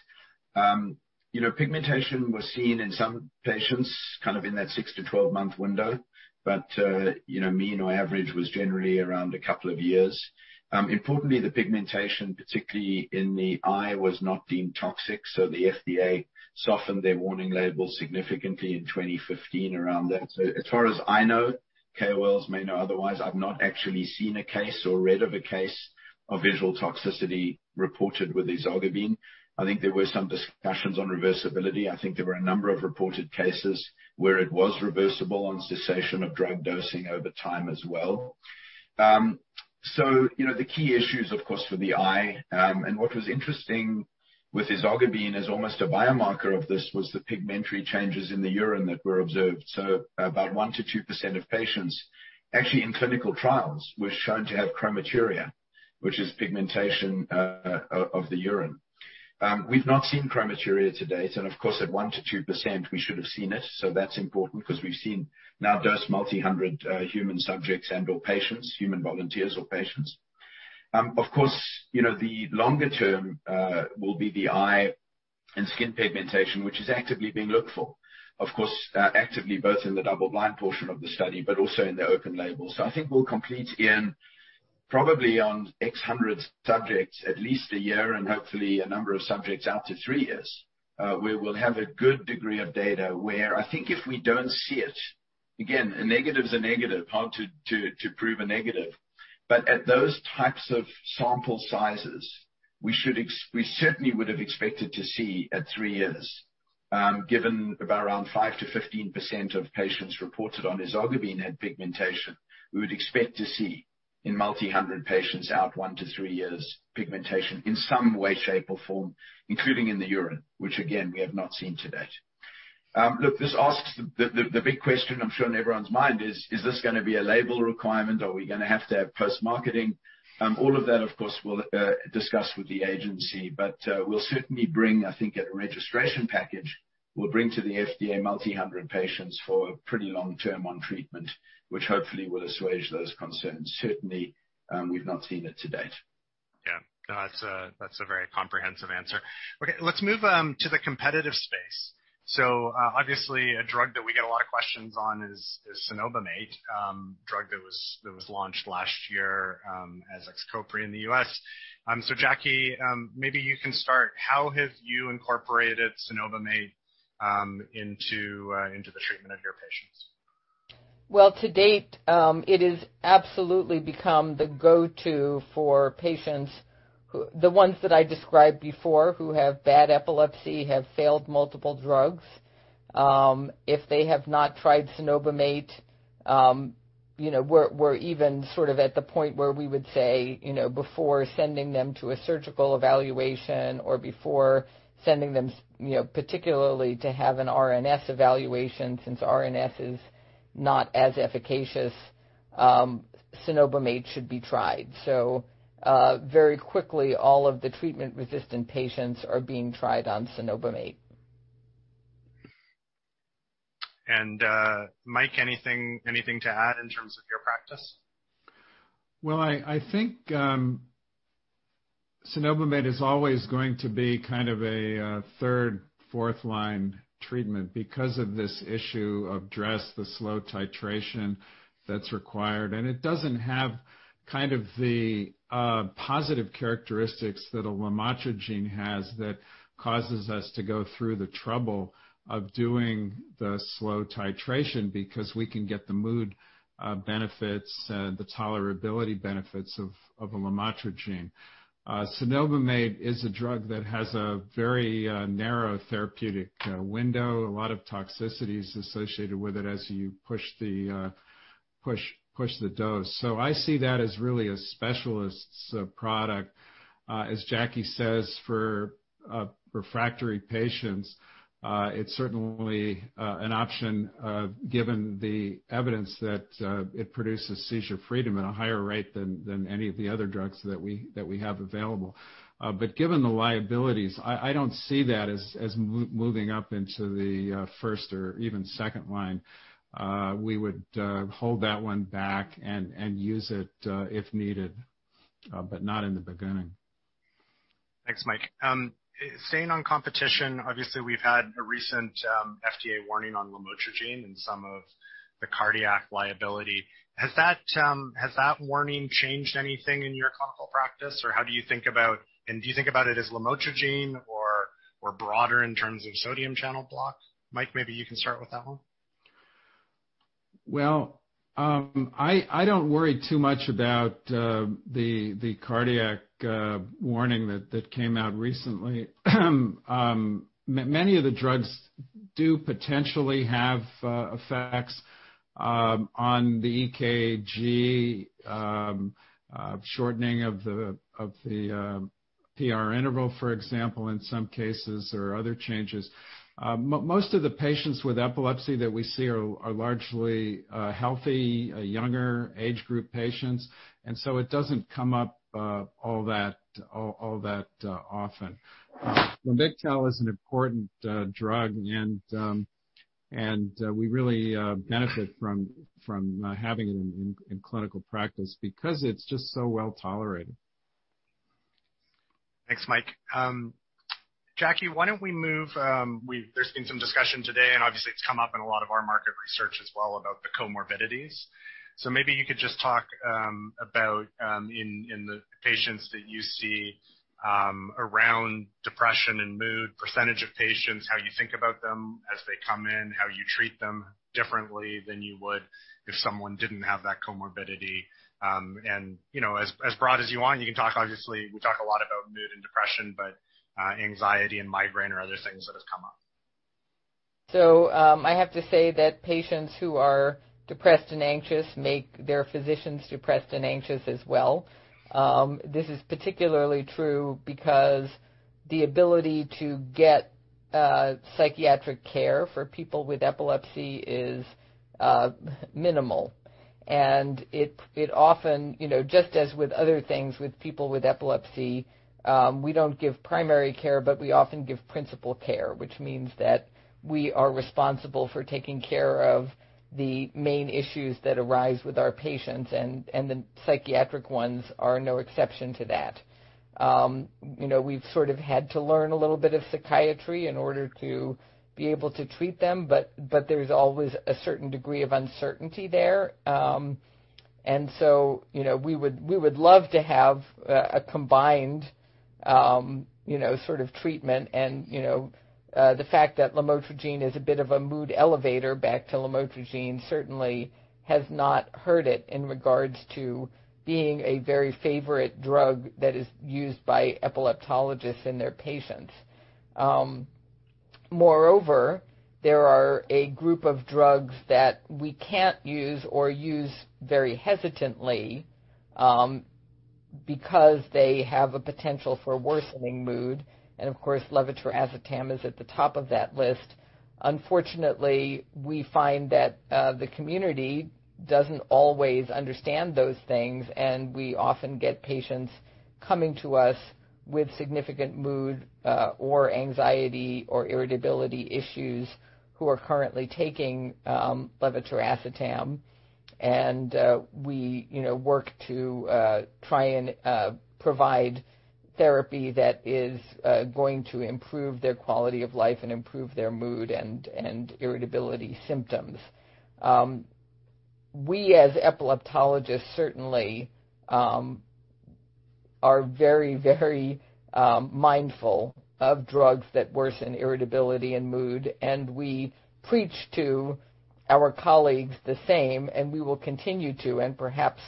Pigmentation was seen in some patients in that 6-12 month window. Mean or average was generally around a couple of years. Importantly, the pigmentation, particularly in the eye, was not deemed toxic, so the FDA softened their warning label significantly in 2015 around that. As far as I know, KOLs may know otherwise, I've not actually seen a case or read of a case of visual toxicity reported with ezogabine. I think there were some discussions on reversibility. I think there were a number of reported cases where it was reversible on cessation of drug dosing over time as well. The key issue is, of course, for the eye. What was interesting with ezogabine as almost a biomarker of this was the pigmentary changes in the urine that were observed. About 1%-2% of patients, actually in clinical trials, were shown to have chromaturia, which is pigmentation of the urine. We've not seen chromaturia to date, of course, at 1% to 2%, we should have seen it. That's important because we've seen now dose multi-hundred human subjects and/or patients, human volunteers or patients. Of course, the longer term will be the eye and skin pigmentation, which is actively being looked for. Of course, actively both in the double-blind portion of the study, but also in the open label. I think we'll complete again probably on 800 subjects at least a year and hopefully a number of subjects out to three years, where we'll have a good degree of data where I think if we don't see it, again, a negative is a negative, hard to prove a negative. At those types of sample sizes, we certainly would have expected to see at three years, given around 5%-15% of patients reported on ezogabine had pigmentation. We would expect to see in multi-hundred patients out one to three years, pigmentation in some way, shape, or form, including in the urine, which again, we have not seen to date. Look, the big question I'm sure on everyone's mind is this going to be a label requirement? Are we going to have to have post-marketing? All of that, of course, we'll discuss with the agency. We'll certainly bring, I think at a registration package, we'll bring to the FDA multi-100 patients for a pretty long-term on treatment, which hopefully will assuage those concerns. Certainly, we've not seen it to date. Yeah, that's a very comprehensive answer. Okay, let's move to the competitive space. Obviously, a drug that we get a lot of questions on is cenobamate, a drug that was launched last year as XCOPRI in the U.S. Jackie, maybe you can start. How have you incorporated cenobamate into the treatment of your patients? To date, it has absolutely become the go-to for patients, the ones that I described before, who have bad epilepsy, have failed multiple drugs. If they have not tried cenobamate, we're even at the point where we would say, before sending them to a surgical evaluation or before sending them, particularly to have an RNS evaluation since RNS is not as efficacious, cenobamate should be tried. Very quickly, all of the treatment-resistant patients are being tried on cenobamate. Mike, anything to add in terms of your practice? Well, I think cenobamate is always going to be kind of a third, fourth-line treatment because of this issue of DRESS, the slow titration that's required. It doesn't have the positive characteristics that a lamotrigine has that causes us to go through the trouble of doing the slow titration because we can get the mood benefits, the tolerability benefits of a lamotrigine. Cenobamate is a drug that has a very narrow therapeutic window. A lot of toxicity is associated with it as you push the dose. I see that as really a specialist's product. As Jackie says, for refractory patients, it's certainly an option given the evidence that it produces seizure freedom at a higher rate than any of the other drugs that we have available. Given the liabilities, I don't see that as moving up into the first or even second line. We would hold that one back and use it if needed, but not in the beginning. Thanks, Mike. Staying on competition, obviously, we've had a recent FDA warning on lamotrigine and some of the cardiac liability. Has that warning changed anything in your clinical practice, or do you think about it as lamotrigine or broader in terms of sodium channel block? Mike, maybe you can start with that one. Well, I don't worry too much about the cardiac warning that came out recently. Many of the drugs do potentially have effects on the EKG, shortening of the PR interval, for example, in some cases, or other changes. Most of the patients with epilepsy that we see are largely healthy, younger age group patients. It doesn't come up all that often. Lamictal is an important drug. We really benefit from having it in clinical practice because it's just so well-tolerated. Thanks, Mike. Jackie, why don't we move, there's been some discussion today, and obviously it's come up in a lot of our market research as well about the comorbidities. Maybe you could just talk about in the patients that you see around depression and mood, percentage of patients, how you think about them as they come in, how you treat them differently than you would if someone didn't have that comorbidity. As broad as you want, you can talk. Obviously, we talk a lot about mood and depression, but anxiety and migraine are other things that have come up. I have to say that patients who are depressed and anxious make their physicians depressed and anxious as well. This is particularly true because the ability to get psychiatric care for people with epilepsy is minimal. It often, just as with other things with people with epilepsy, we don't give primary care, but we often give principal care, which means that we are responsible for taking care of the main issues that arise with our patients, and the psychiatric ones are no exception to that. We've sort of had to learn a little bit of psychiatry in order to be able to treat them, but there's always a certain degree of uncertainty there. We would love to have a combined sort of treatment. The fact that lamotrigine is a bit of a mood elevator, back to lamotrigine, certainly has not hurt it in regards to being a very favorite drug that is used by epileptologists and their patients. Moreover, there are a group of drugs that we can't use or use very hesitantly because they have a potential for worsening mood. Of course, levetiracetam is at the top of that list. Unfortunately, we find that the community doesn't always understand those things, and we often get patients coming to us with significant mood or anxiety or irritability issues who are currently taking levetiracetam. We work to try and provide therapy that is going to improve their quality of life and improve their mood and irritability symptoms. We, as epileptologists, certainly are very, very mindful of drugs that worsen irritability and mood, and we preach to our colleagues the same, and we will continue to, and perhaps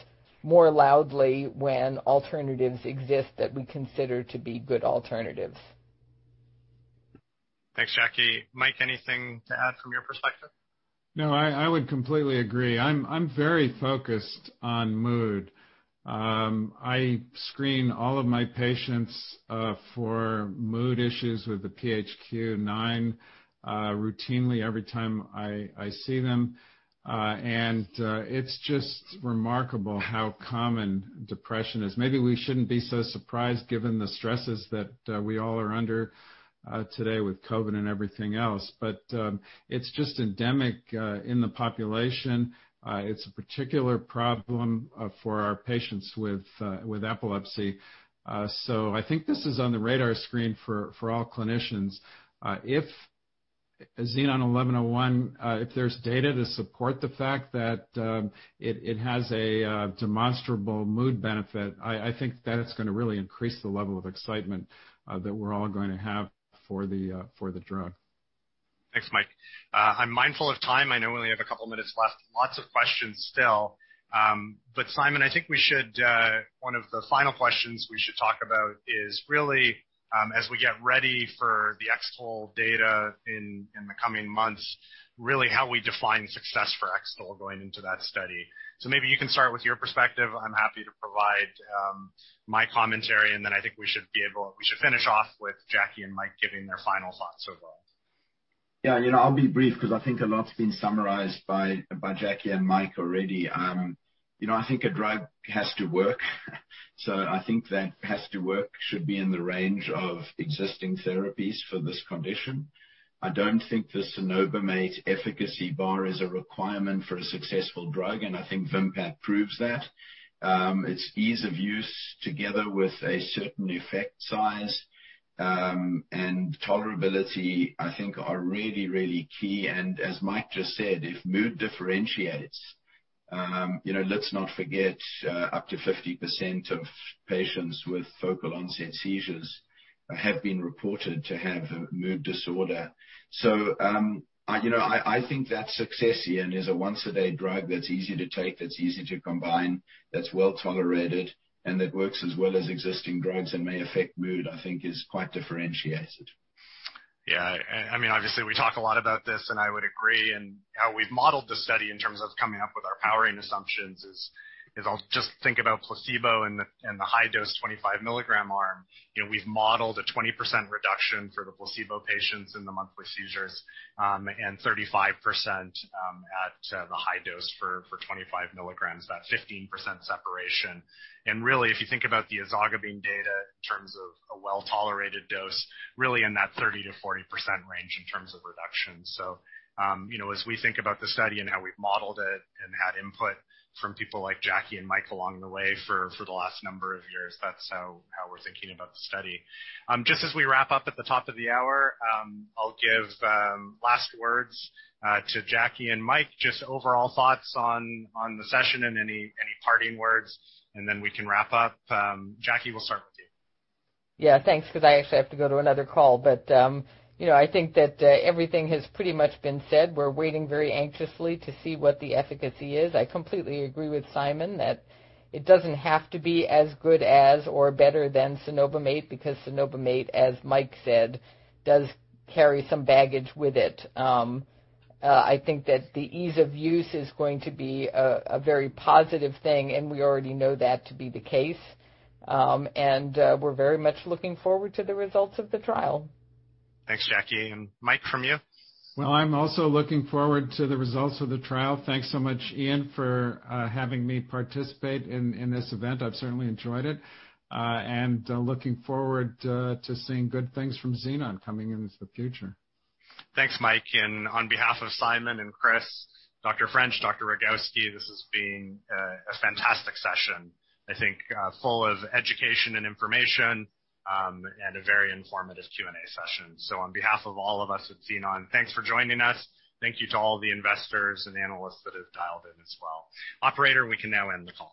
more loudly when alternatives exist that we consider to be good alternatives. Thanks, Jackie. Mike, anything to add from your perspective? No, I would completely agree. I'm very focused on mood. I screen all of my patients for mood issues with the PHQ-9 routinely every time I see them. It's just remarkable how common depression is. Maybe we shouldn't be so surprised given the stresses that we all are under today with COVID and everything else. It's just endemic in the population. It's a particular problem for our patients with epilepsy. I think this is on the radar screen for all clinicians. If XEN1101, if there's data to support the fact that it has a demonstrable mood benefit, I think that it's going to really increase the level of excitement that we're all going to have for the drug. Thanks, Mike. I'm mindful of time. I know we only have a couple of minutes left. Lots of questions still. Simon, I think one of the final questions we should talk about is really, as we get ready for the X-TOLE data in the coming months, really how we define success for X-TOLE going into that study. So maybe you can start with your perspective. I'm happy to provide my commentary, and then I think we should finish off with Jackie and Mike giving their final thoughts as well. I'll be brief because I think a lot's been summarized by Jackie and Mike already. I think a drug has to work. I think that has to work, should be in the range of existing therapies for this condition. I don't think the cenobamate efficacy bar is a requirement for a successful drug, and I think VIMPAT proves that. Its ease of use together with a certain effect size, and tolerability, I think are really, really key. As Mike just said, if mood differentiates, let's not forget up to 50% of patients with focal onset seizures have been reported to have a mood disorder. I think that success, Ian, is a once-a-day drug that's easy to take, that's easy to combine, that's well-tolerated, and that works as well as existing drugs and may affect mood, I think is quite differentiated. Yeah. Obviously, we talked a lot about this and I would agree. How we've modeled the study in terms of coming up with our powering assumptions is, if I'll just think about placebo and the high dose 25 mg arm, we've modeled a 20% reduction for the placebo patients in the monthly seizures, and 35% at the high dose for 25 mg, about 15% separation. Really, if you think about the ezogabine data in terms of a well-tolerated dose, really in that 30%-40% range in terms of reduction. As we think about the study and how we've modeled it and had input from people like Jackie and Mike along the way for the last number of years, that's how we're thinking about the study. Just as we wrap up at the top of the hour, I'll give last words to Jackie and Mike, just overall thoughts on the session and any parting words, and then we can wrap up. Jackie, we'll start with you. Yeah, thanks. I actually have to go to another call. I think that everything has pretty much been said. We're waiting very anxiously to see what the efficacy is. I completely agree with Simon that it doesn't have to be as good as or better than cenobamate, because cenobamate, as Mike said, does carry some baggage with it. I think that the ease of use is going to be a very positive thing, and we already know that to be the case. We're very much looking forward to the results of the trial. Thanks, Jackie. Mike, from you? Well, I'm also looking forward to the results of the trial. Thanks so much, Ian, for having me participate in this event. I've certainly enjoyed it. Looking forward to seeing good things from Xenon coming into the future. Thanks, Mike. On behalf of Simon and Chris, Dr. French, Dr. Rogawski, this has been a fantastic session, I think full of education and information, and a very informative Q&A session. On behalf of all of us at Xenon, thanks for joining us. Thank you to all the investors and analysts that have dialed in as well. Operator, we can now end the call.